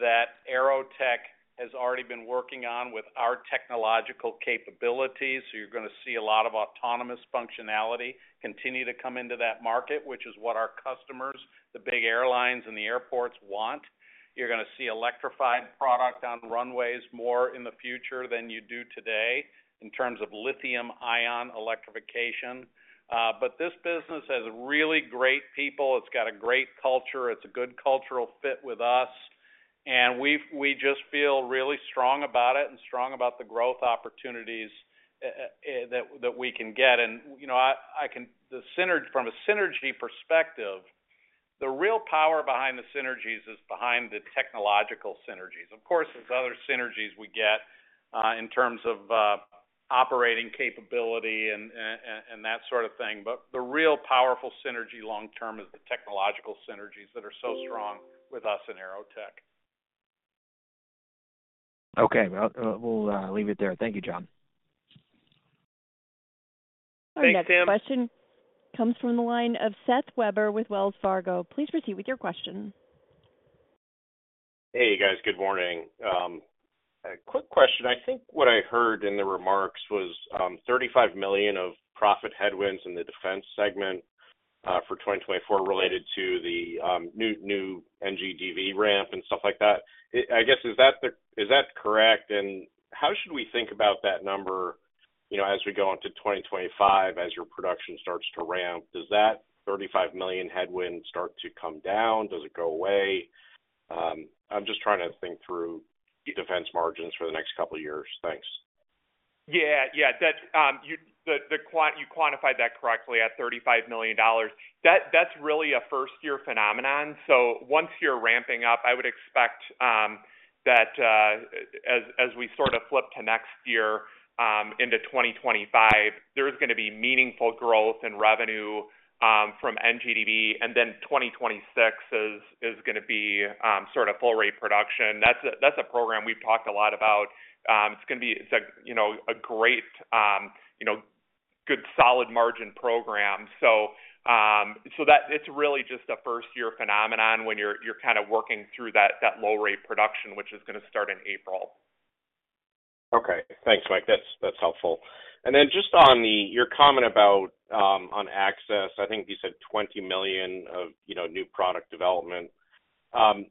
that AeroTech has already been working on with our technological capabilities. So you're going to see a lot of autonomous functionality continue to come into that market, which is what our customers, the big airlines and the airports want. You're going to see electrified product on runways more in the future than you do today in terms of lithium ion electrification. But this business has really great people. It's got a great culture, it's a good cultural fit with us, and we just feel really strong about it and strong about the growth opportunities that we can get. And, you know, from a synergy perspective, the real power behind the synergies is behind the technological synergies. Of course, there's other synergies we get in terms of operating capability and that sort of thing, but the real powerful synergy long term is the technological synergies that are so strong with us in AeroTech. Okay, well, we'll leave it there. Thank you, John. Thanks, Tim. Our next question comes from the line of Seth Weber with Wells Fargo. Please proceed with your question. Hey, guys. Good morning. A quick question. I think what I heard in the remarks was $35 million of profit headwinds in the Defense segment for 2024 related to the new NGDV ramp and stuff like that. I guess, is that correct? And how should we think about that number, you know, as we go into 2025, as your production starts to ramp, does that $35 million headwind start to come down? Does it go away? I'm just trying to think through Defense margins for the next couple of years. Thanks. Yeah, yeah. That's you quantified that correctly at $35 million. That's really a first-year phenomenon. So once you're ramping up, I would expect that as we sort of flip to next year into 2025, there's going to be meaningful growth in revenue from NGDV, and then 2026 is going to be sort of full rate production. That's a program we've talked a lot about. It's going to be a you know a great you know good solid margin program. So that it's really just a first-year phenomenon when you're kind of working through that low rate production, which is going to start in April. Okay. Thanks, Mike. That's, that's helpful. And then just on the, your comment about, on Access, I think you said $20 million of, you know, new product development. I'm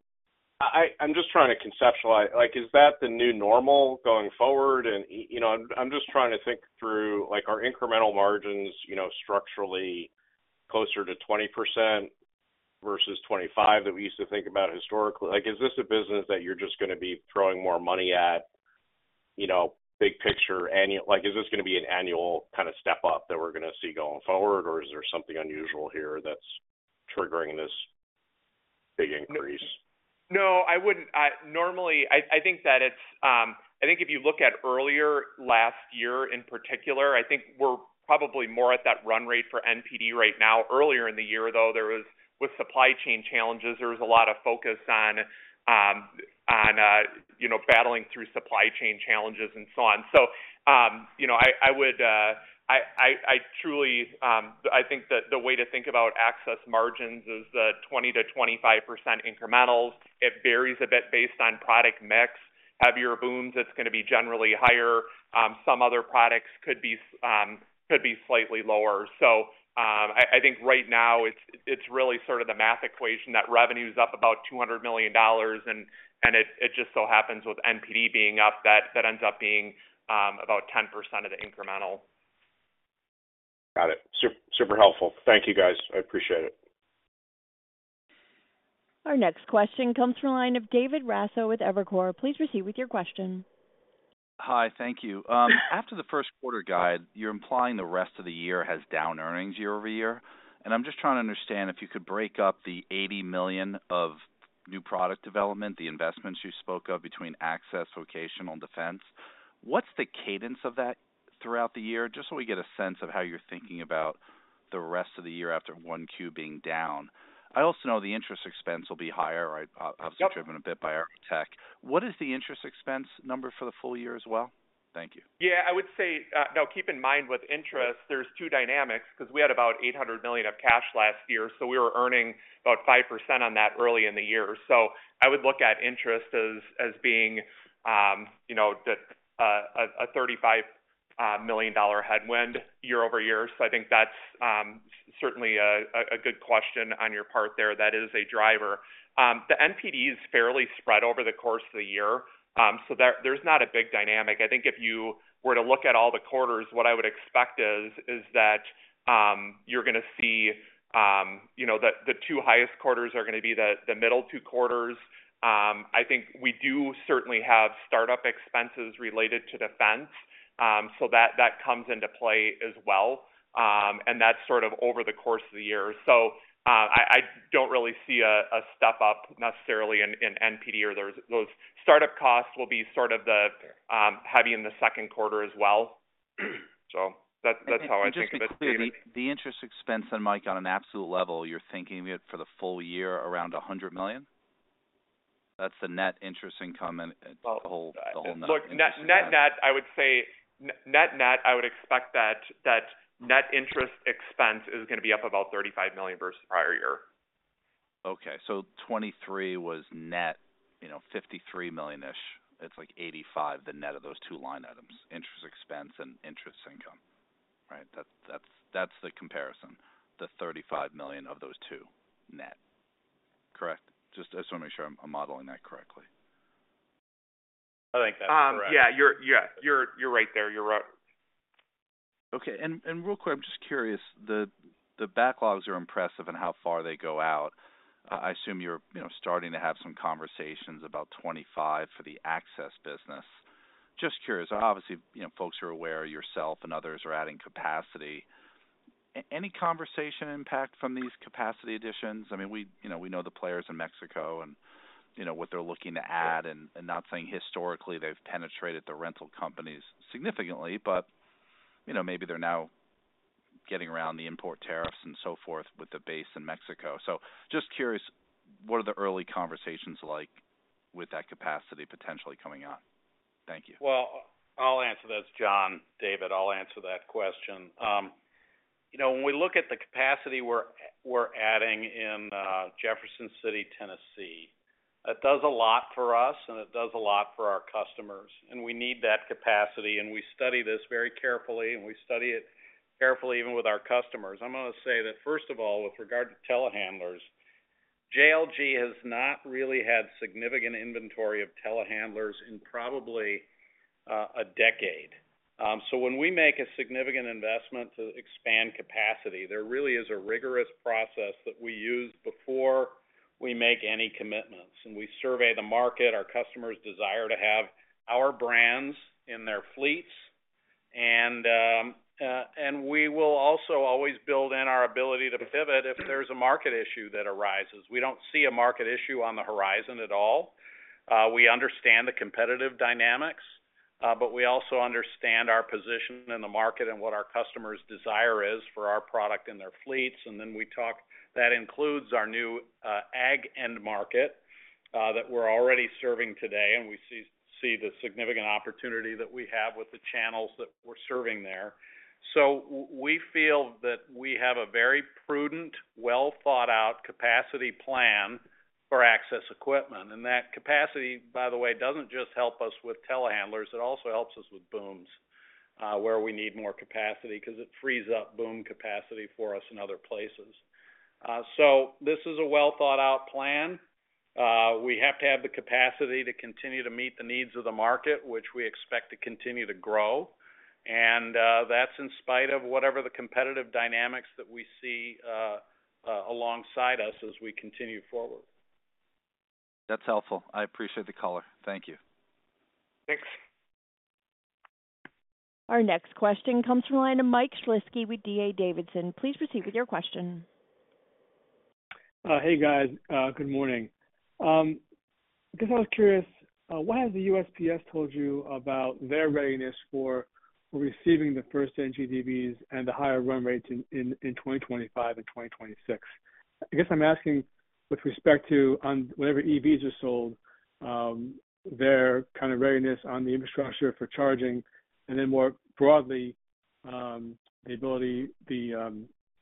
just trying to conceptualize, like, is that the new normal going forward? And, you know, I'm just trying to think through, like, our incremental margins, you know, structurally closer to 20% versus 25% that we used to think about historically. Like, is this a business that you're just going to be throwing more money at, you know, big picture annual? Like, is this going to be an annual kind of step up that we're going to see going forward, or is there something unusual here that's triggering this big increase? No, I wouldn't. Normally, I think that it's, I think if you look at earlier last year in particular, I think we're probably more at that run rate for NPD right now. Earlier in the year, though, there was, with supply chain challenges, there was a lot of focus on, you know, battling through supply chain challenges and so on. So, you know, I truly, I think that the way to think about Access margins is the 20%-25% incrementals. It varies a bit based on product mix. Heavier booms, it's going to be generally higher. Some other products could be, could be slightly lower. I think right now it's really sort of the math equation that revenue is up about $200 million, and it just so happens with NPD being up, that ends up being about 10% of the incremental. Got it. Super, super helpful. Thank you, guys. I appreciate it. Our next question comes from the line of David Raso with Evercore. Please proceed with your question. Hi, thank you. After the first quarter guide, you're implying the rest of the year has down earnings year-over-year. And I'm just trying to understand if you could break up the $80 million of new product development, the investments you spoke of between Access, Vocational, Defense. What's the cadence of that throughout the year? Just so we get a sense of how you're thinking about the rest of the year after Q1 being down. I also know the interest expense will be higher, right? Yep. Obviously, driven a bit by AeroTech. What is the interest expense number for the full year as well? Thank you. Yeah, I would say, now, keep in mind, with interest, there's two dynamics because we had about $800 million of cash last year, so we were earning about 5% on that early in the year. So I would look at interest as being, you know, the $35 million headwind year-over-year. So I think that's certainly a good question on your part there. That is a driver. The NPD is fairly spread over the course of the year, so there's not a big dynamic. I think if you were to look at all the quarters, what I would expect is that you're gonna see, you know, the two highest quarters are gonna be the middle two quarters. I think we do certainly have startup expenses related to Defense, so that comes into play as well. That's sort of over the course of the year. I don't really see a step up necessarily in NPD or those startup costs will be sort of the heavy in the second quarter as well. That's how I think of it. Just to be clear, the interest expense then, Mike, on an absolute level, you're thinking it for the full year, around $100 million? That's the net interest income and the whole, the whole. Look, net net net, I would say I would expect that net interest expense is gonna be up about $35 million versus prior year. Okay, so 23 was net, you know, $53 million-ish. It's like $85 million, the net of those two line items, interest expense and interest income. Right? That's, that's, that's the comparison, the $35 million of those two, net. Correct? Just, I just want to make sure I'm modeling that correctly. I think that's correct. Yeah, you're, yeah, you're right there. You're right. Okay, and real quick, I'm just curious. The backlogs are impressive and how far they go out. I assume you're, you know, starting to have some conversations about 25 for the Access business. Just curious, obviously, you know, folks are aware, yourself and others are adding capacity. Any conversation impact from these capacity additions? I mean, we, you know, we know the players in Mexico and, you know, what they're looking to add and not saying historically, they've penetrated the rental companies significantly, but, you know, maybe they're now getting around the import tariffs and so forth with the base in Mexico. So just curious, what are the early conversations like with that capacity potentially coming on? Thank you. Well, I'll answer this, John. David, I'll answer that question. You know, when we look at the capacity we're adding in Jefferson City, Tennessee, it does a lot for us, and it does a lot for our customers, and we need that capacity, and we study this very carefully, and we study it carefully, even with our customers. I'm gonna say that, first of all, with regard to telehandlers, JLG has not really had significant inventory of telehandlers in probably a decade. So when we make a significant investment to expand capacity, there really is a rigorous process that we use before we make any commitments. And we survey the market, our customers' desire to have our brands in their fleets, and we will always build in our ability to pivot if there's a market issue that arises. We don't see a market issue on the horizon at all. We understand the competitive dynamics, but we also understand our position in the market and what our customers' desire is for our product and their fleets. And then we talk that includes our new ag end market that we're already serving today, and we see the significant opportunity that we have with the channels that we're serving there. So we feel that we have a very prudent, well-thought-out capacity plan for Access Equipment. And that capacity, by the way, doesn't just help us with telehandlers; it also helps us with booms where we need more capacity, because it frees up boom capacity for us in other places. So this is a well-thought-out plan. We have to have the capacity to continue to meet the needs of the market, which we expect to continue to grow. And, that's in spite of whatever the competitive dynamics that we see, alongside us as we continue forward. That's helpful. I appreciate the color. Thank you. Thanks. Our next question comes from the line of Mike Shlisky with D.A. Davidson. Please proceed with your question. Hey, guys, good morning. I guess I was curious what has the USPS told you about their readiness for receiving the first NGDVs and the higher run rates in 2025 and 2026? I guess I'm asking with respect to on whenever EVs are sold, their kind of readiness on the infrastructure for charging, and then more broadly, the ability,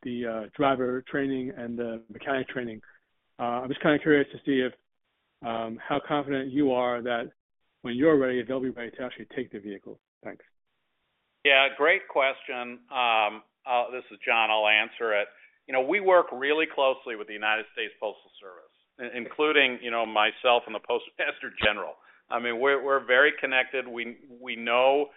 the driver training and the mechanic training. I'm just kind of curious to see if how confident you are that when you're ready, they'll be ready to actually take the vehicle. Thanks. Yeah, great question. This is John. I'll answer it. You know, we work really closely with the United States Postal Service, including, you know, myself and the Postmaster General. I mean, we're very connected. We know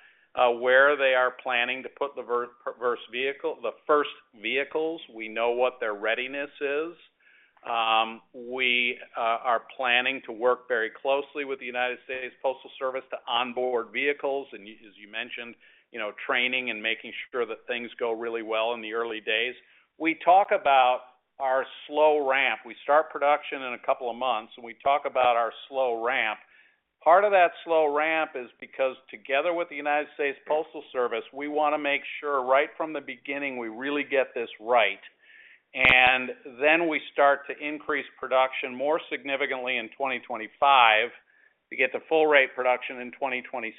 where they are planning to put the NGDV, the first vehicles. We know what their readiness is. We are planning to work very closely with the United States Postal Service to onboard vehicles, and as you mentioned, you know, training and making sure that things go really well in the early days. We talk about our slow ramp. We start production in a couple of months, and we talk about our slow ramp. Part of that slow ramp is because together with the United States Postal Service, we want to make sure, right from the beginning, we really get this right. And then we start to increase production more significantly in 2025, to get to full rate production in 2026.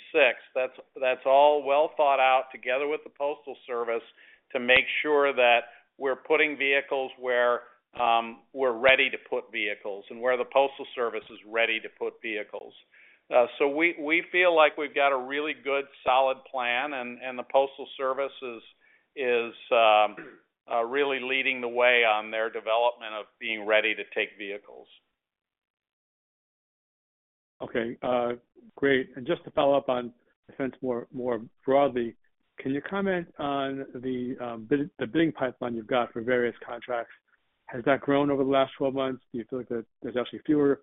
That's, that's all well thought out together with the Postal Service to make sure that we're putting vehicles where, we're ready to put vehicles and where the Postal Service is ready to put vehicles. So we, we feel like we've got a really good solid plan, and, and the Postal Service is, is, really leading the way on their development of being ready to take vehicles. Okay, great. And just to follow up on Defense, more broadly, can you comment on the bidding pipeline you've got for various contracts? Has that grown over the last 12 months? Do you feel like there's actually fewer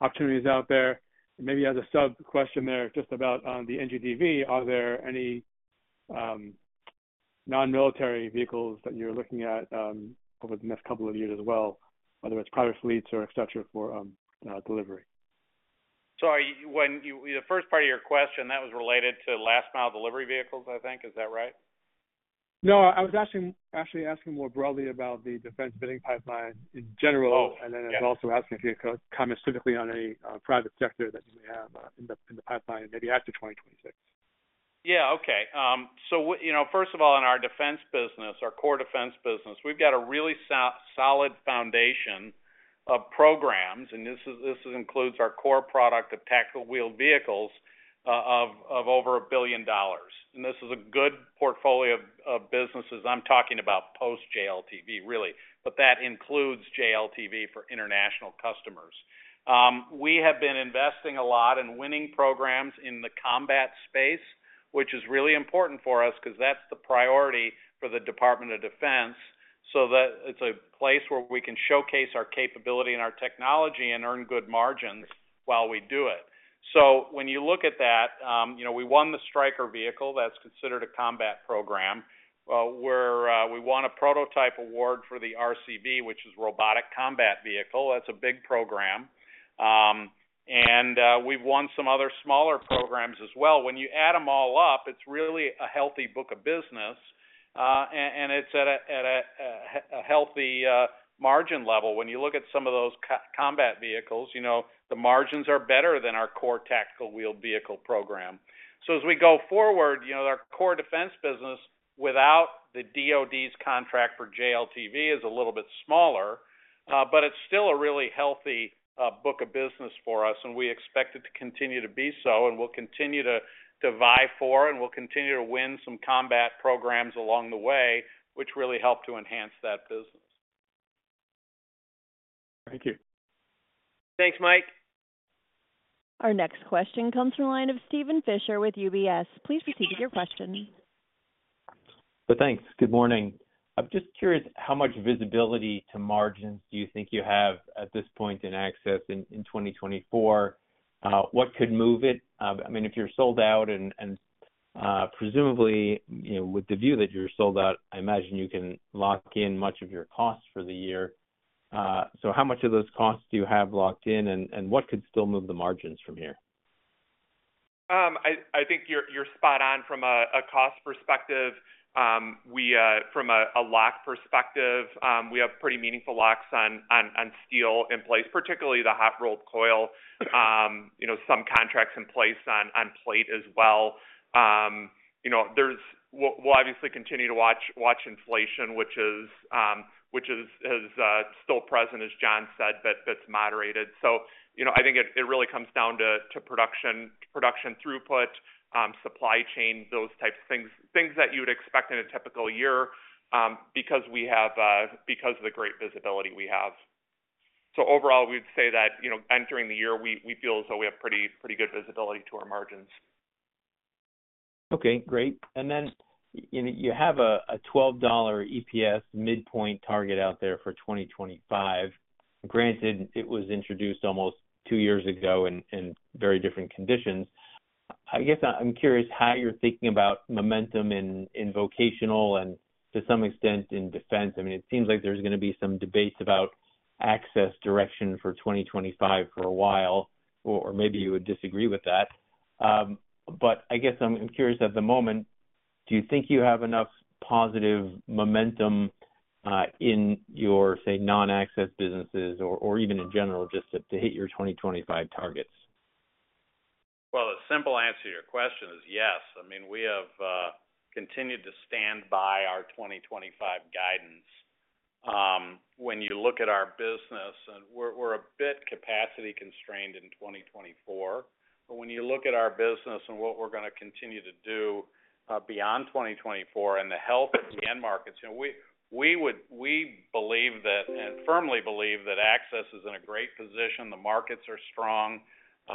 opportunities out there? Maybe as a sub question there, just about the NGDV, are there any non-military vehicles that you're looking at over the next couple of years as well, whether it's private fleets or et cetera, for delivery? Sorry, the first part of your question, that was related to last mile delivery vehicles, I think. Is that right? No, I was actually asking more broadly about the Defense bidding pipeline in general. Oh, yes. I as also asking if you could comment specifically on any private sector that you may have in the pipeline, maybe after 2026. Yeah. Okay. So, you know, first of all, in our Defense business, our core Defense business, we've got a really solid foundation of programs, and this is, this includes our core product of tactical wheeled vehicles, of, of over $1 billion. And this is a good portfolio of, of businesses. I'm talking about post JLTV, really, but that includes JLTV for international customers. We have been investing a lot in winning programs in the combat space, which is really important for us because that's the priority for the Department of Defense, so that it's a place where we can showcase our capability and our technology and earn good margins while we do it. So when you look at that, you know, we won the Stryker vehicle, that's considered a combat program, where we won a prototype award for the RCV, which is Robotic Combat Vehicle. That's a big program. And we've won some other smaller programs as well. When you add them all up, it's really a healthy book of business, and it's at a healthy margin level. When you look at some of those combat vehicles, you know, the margins are better than our core tactical wheeled vehicle program. As we go forward, you know, our core Defense business, without the DoD's contract for JLTV, is a little bit smaller, but it's still a really healthy book of business for us, and we expect it to continue to be so, and we'll continue to vie for and we'll continue to win some combat programs along the way, which really help to enhance that business. Thank you. Thanks, Mike. Our next question comes from the line of Steven Fisher with UBS. Please proceed with your question. So thanks. Good morning. I'm just curious, how much visibility to margins do you think you have at this point in Access in 2024? What could move it? I mean, if you're sold out and presumably, you know, with the view that you're sold out, I imagine you can lock in much of your costs for the year. So how much of those costs do you have locked in, and what could still move the margins from here? I think you're spot on from a cost perspective. From a lock perspective, we have pretty meaningful locks on steel in place, particularly the hot rolled coil. You know, some contracts in place on plate as well. You know, we'll obviously continue to watch inflation, which is still present, as John said, but that's moderated. So, you know, I think it really comes down to production throughput, supply chain, those types of things. Things that you would expect in a typical year, because of the great visibility we have. So overall, we'd say that, you know, entering the year, we feel as though we have pretty good visibility to our margins. Okay, great. And then you have a $12 EPS midpoint target out there for 2025. Granted, it was introduced almost two years ago in very different conditions. I guess I'm curious how you're thinking about momentum in Vocational and to some extent in Defense. I mean, it seems like there's going to be some debates about Access direction for 2025 for a while, or maybe you would disagree with that. But I guess I'm curious at the moment, do you think you have enough positive momentum in your say non-Access businesses or even in general just to hit your 2025 targets? Well, the simple answer to your question is yes. I mean, we have continued to stand by our 2025 guidance. When you look at our business, and we're a bit capacity constrained in 2024. But when you look at our business and what we're going to continue to do, beyond 2024 and the health of the end markets, you know, we would, we believe that, and firmly believe that Access is in a great position. The markets are strong.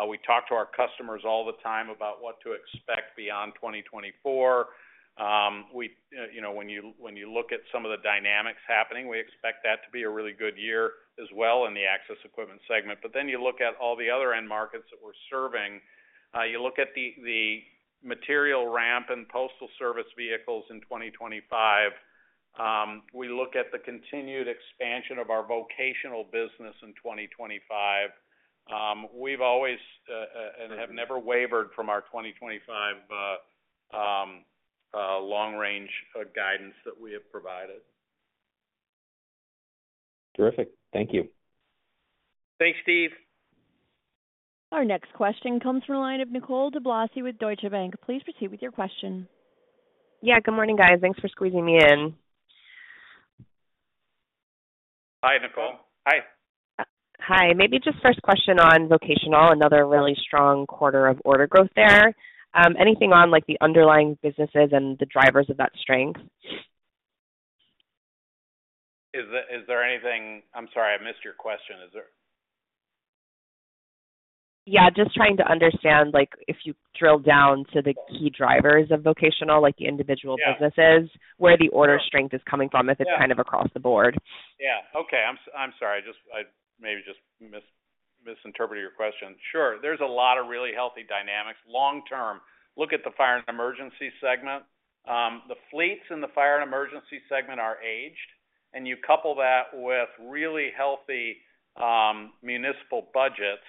We talk to our customers all the time about what to expect beyond 2024. We, you know, when you look at some of the dynamics happening, we expect that to be a really good year as well in the Access equipment segment. But then you look at all the other end markets that we're serving. You look at the material ramp and Postal Service vehicles in 2025. We look at the continued expansion of our Vocational business in 2025. We've always and have never wavered from our 2025 long-range guidance that we have provided. Terrific. Thank you. Thanks, Steve. Our next question comes from the line of Nicole DeBlase with Deutsche Bank. Please proceed with your question. Yeah, good morning, guys. Thanks for squeezing me in. Hi, Nicole. Hi. Hi. Maybe just first question on Vocational, another really strong quarter of order growth there. Anything on, like, the underlying businesses and the drivers of that strength? I'm sorry, I missed your question. Is there? Yeah, just trying to understand, like, if you drill down to the key drivers of Vocational, like individual- Yeah businesses, where the order strength is coming from, if it's kind of across the board. Yeah. Okay, I'm sorry. I just maybe just misinterpreted your question. Sure. There's a lot of really healthy dynamics long term. Look at the Fire & Emergency segment. The fleets in the Fire & Emergency segment are aged, and you couple that with really healthy municipal budgets,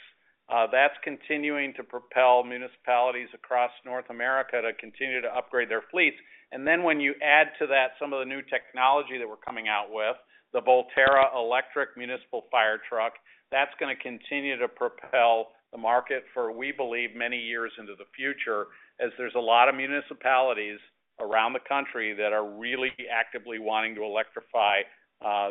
that's continuing to propel municipalities across North America to continue to upgrade their fleets. And then when you add to that some of the new technology that we're coming out with, the Volterra electric municipal fire truck, that's gonna continue to propel the market for, we believe, many years into the future, as there's a lot of municipalities around the country that are really actively wanting to electrify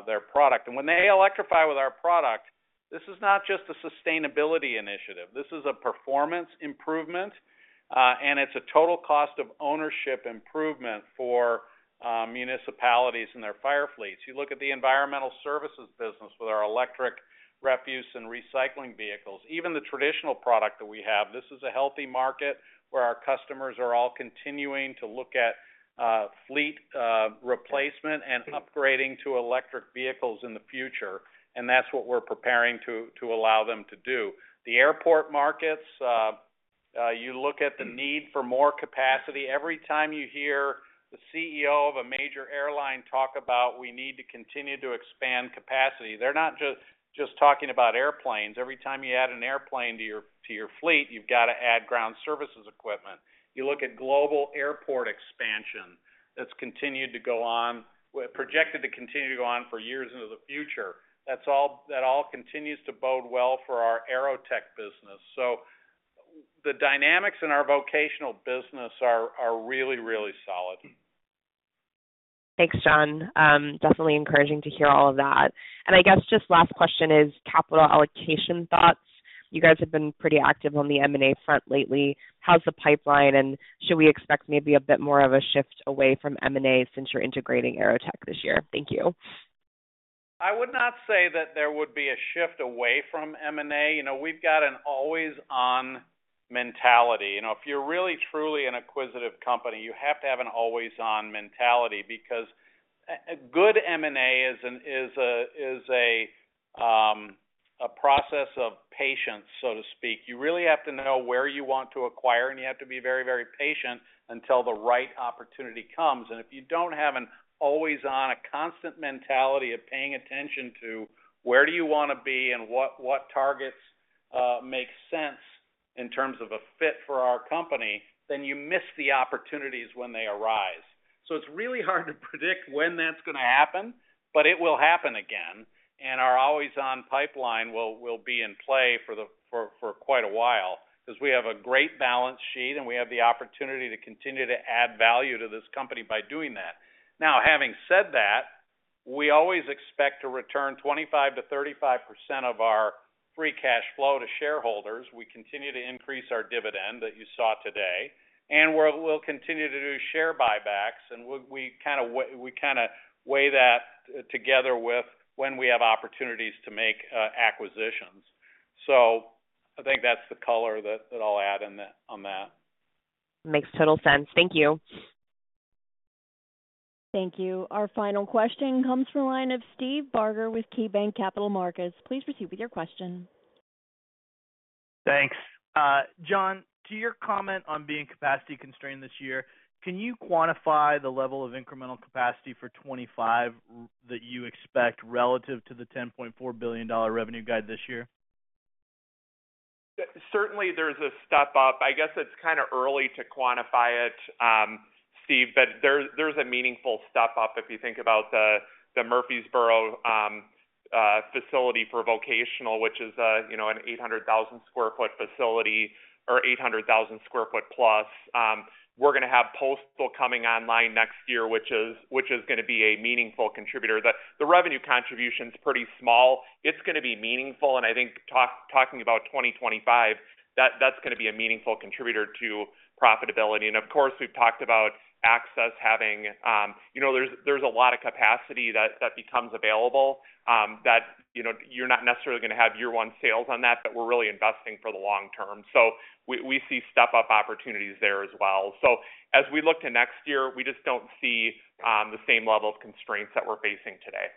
their product. And when they electrify with our product, this is not just a sustainability initiative. This is a performance improvement, and it's a total cost of ownership improvement for municipalities and their fire fleets. You look at the environmental services business with our electric refuse and recycling vehicles, even the traditional product that we have. This is a healthy market, where our customers are all continuing to look at fleet replacement and upgrading to electric vehicles in the future, and that's what we're preparing to allow them to do. The airport markets, you look at the need for more capacity. Every time you hear the CEO of a major airline talk about we need to continue to expand capacity, they're not just talking about airplanes. Every time you add an airplane to your fleet, you've got to add ground services equipment. You look at global airport expansion that's continued to go on, well, projected to continue to go on for years into the future. That all continues to bode well for our AeroTech business. So the dynamics in our Vocational business are really, really solid. Thanks, John. Definitely encouraging to hear all of that. I guess just last question is capital allocation thoughts. You guys have been pretty active on the M&A front lately. How's the pipeline, and should we expect maybe a bit more of a shift away from M&A since you're integrating AeroTech this year? Thank you. I would not say that there would be a shift away from M&A. You know, we've got an always-on mentality. You know, if you're really, truly an acquisitive company, you have to have an always-on mentality, because a good M&A is a process of patience, so to speak. You really have to know where you want to acquire, and you have to be very, very patient until the right opportunity comes. And if you don't have an always-on, a constant mentality of paying attention to where do you want to be and what targets make sense in terms of a fit for our company, then you miss the opportunities when they arise. So it's really hard to predict when that's going to happen, but it will happen again, and our always-on pipeline will be in play for quite a while, because we have a great balance sheet, and we have the opportunity to continue to add value to this company by doing that. Now, having said that, we always expect to return 25%-35% of our free cash flow to shareholders. We continue to increase our dividend that you saw today, and we'll continue to do share buybacks, and we kind of weigh that together with when we have opportunities to make acquisitions. So I think that's the color that I'll add in that, on that. Makes total sense. Thank you. Thank you. Our final question comes from the line of Steve Barger with KeyBanc Capital Markets. Please proceed with your question. Thanks. John, to your comment on being capacity constrained this year, can you quantify the level of incremental capacity for 2025 that you expect relative to the $10.4 billion revenue guide this year? Certainly, there's a step-up. I guess it's kind of early to quantify it, Steve, but there's a meaningful step-up if you think about the Murfreesboro facility for Vocational, which is, you know, an 800,000 sq ft facility or 800,000 sq ft plus. We're gonna have postal coming online next year, which is gonna be a meaningful contributor. The revenue contribution is pretty small. It's gonna be meaningful, and I think talking about 2025, that's gonna be a meaningful contributor to profitability. And of course, we've talked about Access having. You know, there's a lot of capacity that becomes available, that, you know, you're not necessarily going to have year one sales on that, but we're really investing for the long term. So we see step-up opportunities there as well. So as we look to next year, we just don't see the same level of constraints that we're facing today.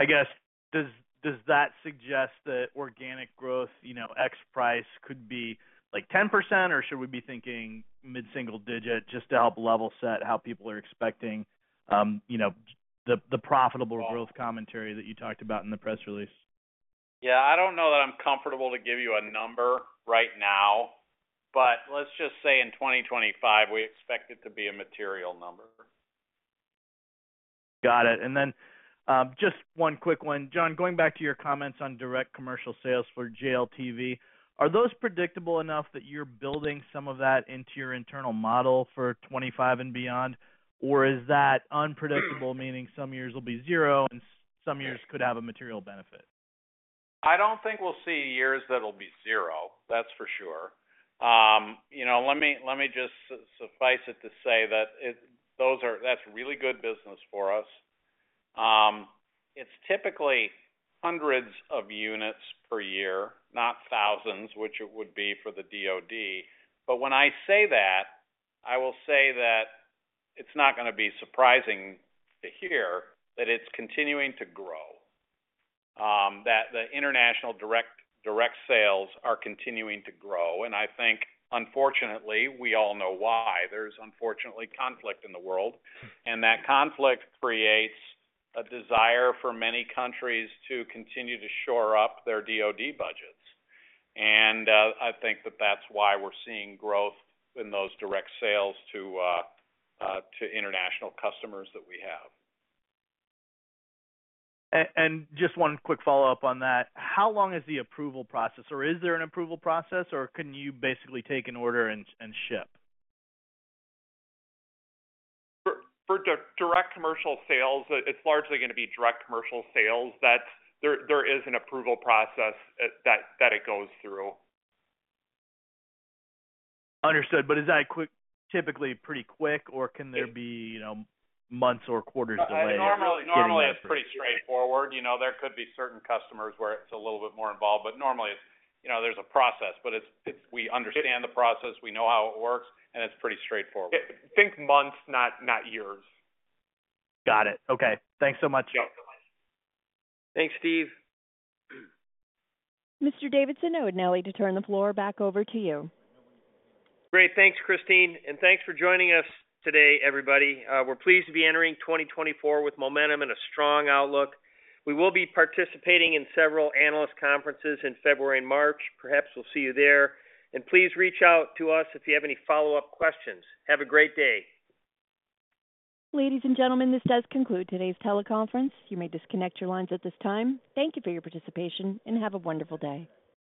I guess, does that suggest that organic growth, you know, ex price could be like 10%, or should we be thinking mid-single digit just to help level set how people are expecting, you know, the profitable growth commentary that you talked about in the press release? Yeah, I don't know that I'm comfortable to give you a number right now, but let's just say in 2025, we expect it to be a material number. Got it. And then, just one quick one. John, going back to your comments on Direct Commercial Sales for JLTV, are those predictable enough that you're building some of that into your internal model for 25 and beyond? Or is that unpredictable, meaning some years will be zero, and some years could have a material benefit? I don't think we'll see years that'll be zero, that's for sure. You know, let me, let me just suffice it to say that that's really good business for us. It's typically hundreds of units per year, not thousands, which it would be for the DoD. But when I say that, I will say that it's not gonna be surprising to hear that it's continuing to grow, that the international direct sales are continuing to grow. And I think, unfortunately, we all know why. There's unfortunately conflict in the world, and that conflict creates a desire for many countries to continue to shore up their DoD budgets. And I think that that's why we're seeing growth in those direct sales to international customers that we have. And just one quick follow-up on that. How long is the approval process, or is there an approval process, or can you basically take an order and ship? For Direct Commercial Sales, it's largely gonna be Direct Commercial Sales, that there is an approval process that it goes through. Understood. But is that quick, typically pretty quick, or can there be, you know, months or quarters delay? Normally, it's pretty straightforward. You know, there could be certain customers where it's a little bit more involved, but normally, it's, you know, there's a process, but it's, we understand the process, we know how it works, and it's pretty straightforward. Think months, not years. Got it. Okay. Thanks so much. Yeah. Thanks, Steve. Mr. Pat, I would now like to turn the floor back over to you. Great. Thanks, Christine, and thanks for joining us today, everybody. We're pleased to be entering 2024 with momentum and a strong outlook. We will be participating in several analyst conferences in February and March. Perhaps we'll see you there. And please reach out to us if you have any follow-up questions. Have a great day. Ladies and gentlemen, this does conclude today's teleconference. You may disconnect your lines at this time. Thank you for your participation, and have a wonderful day.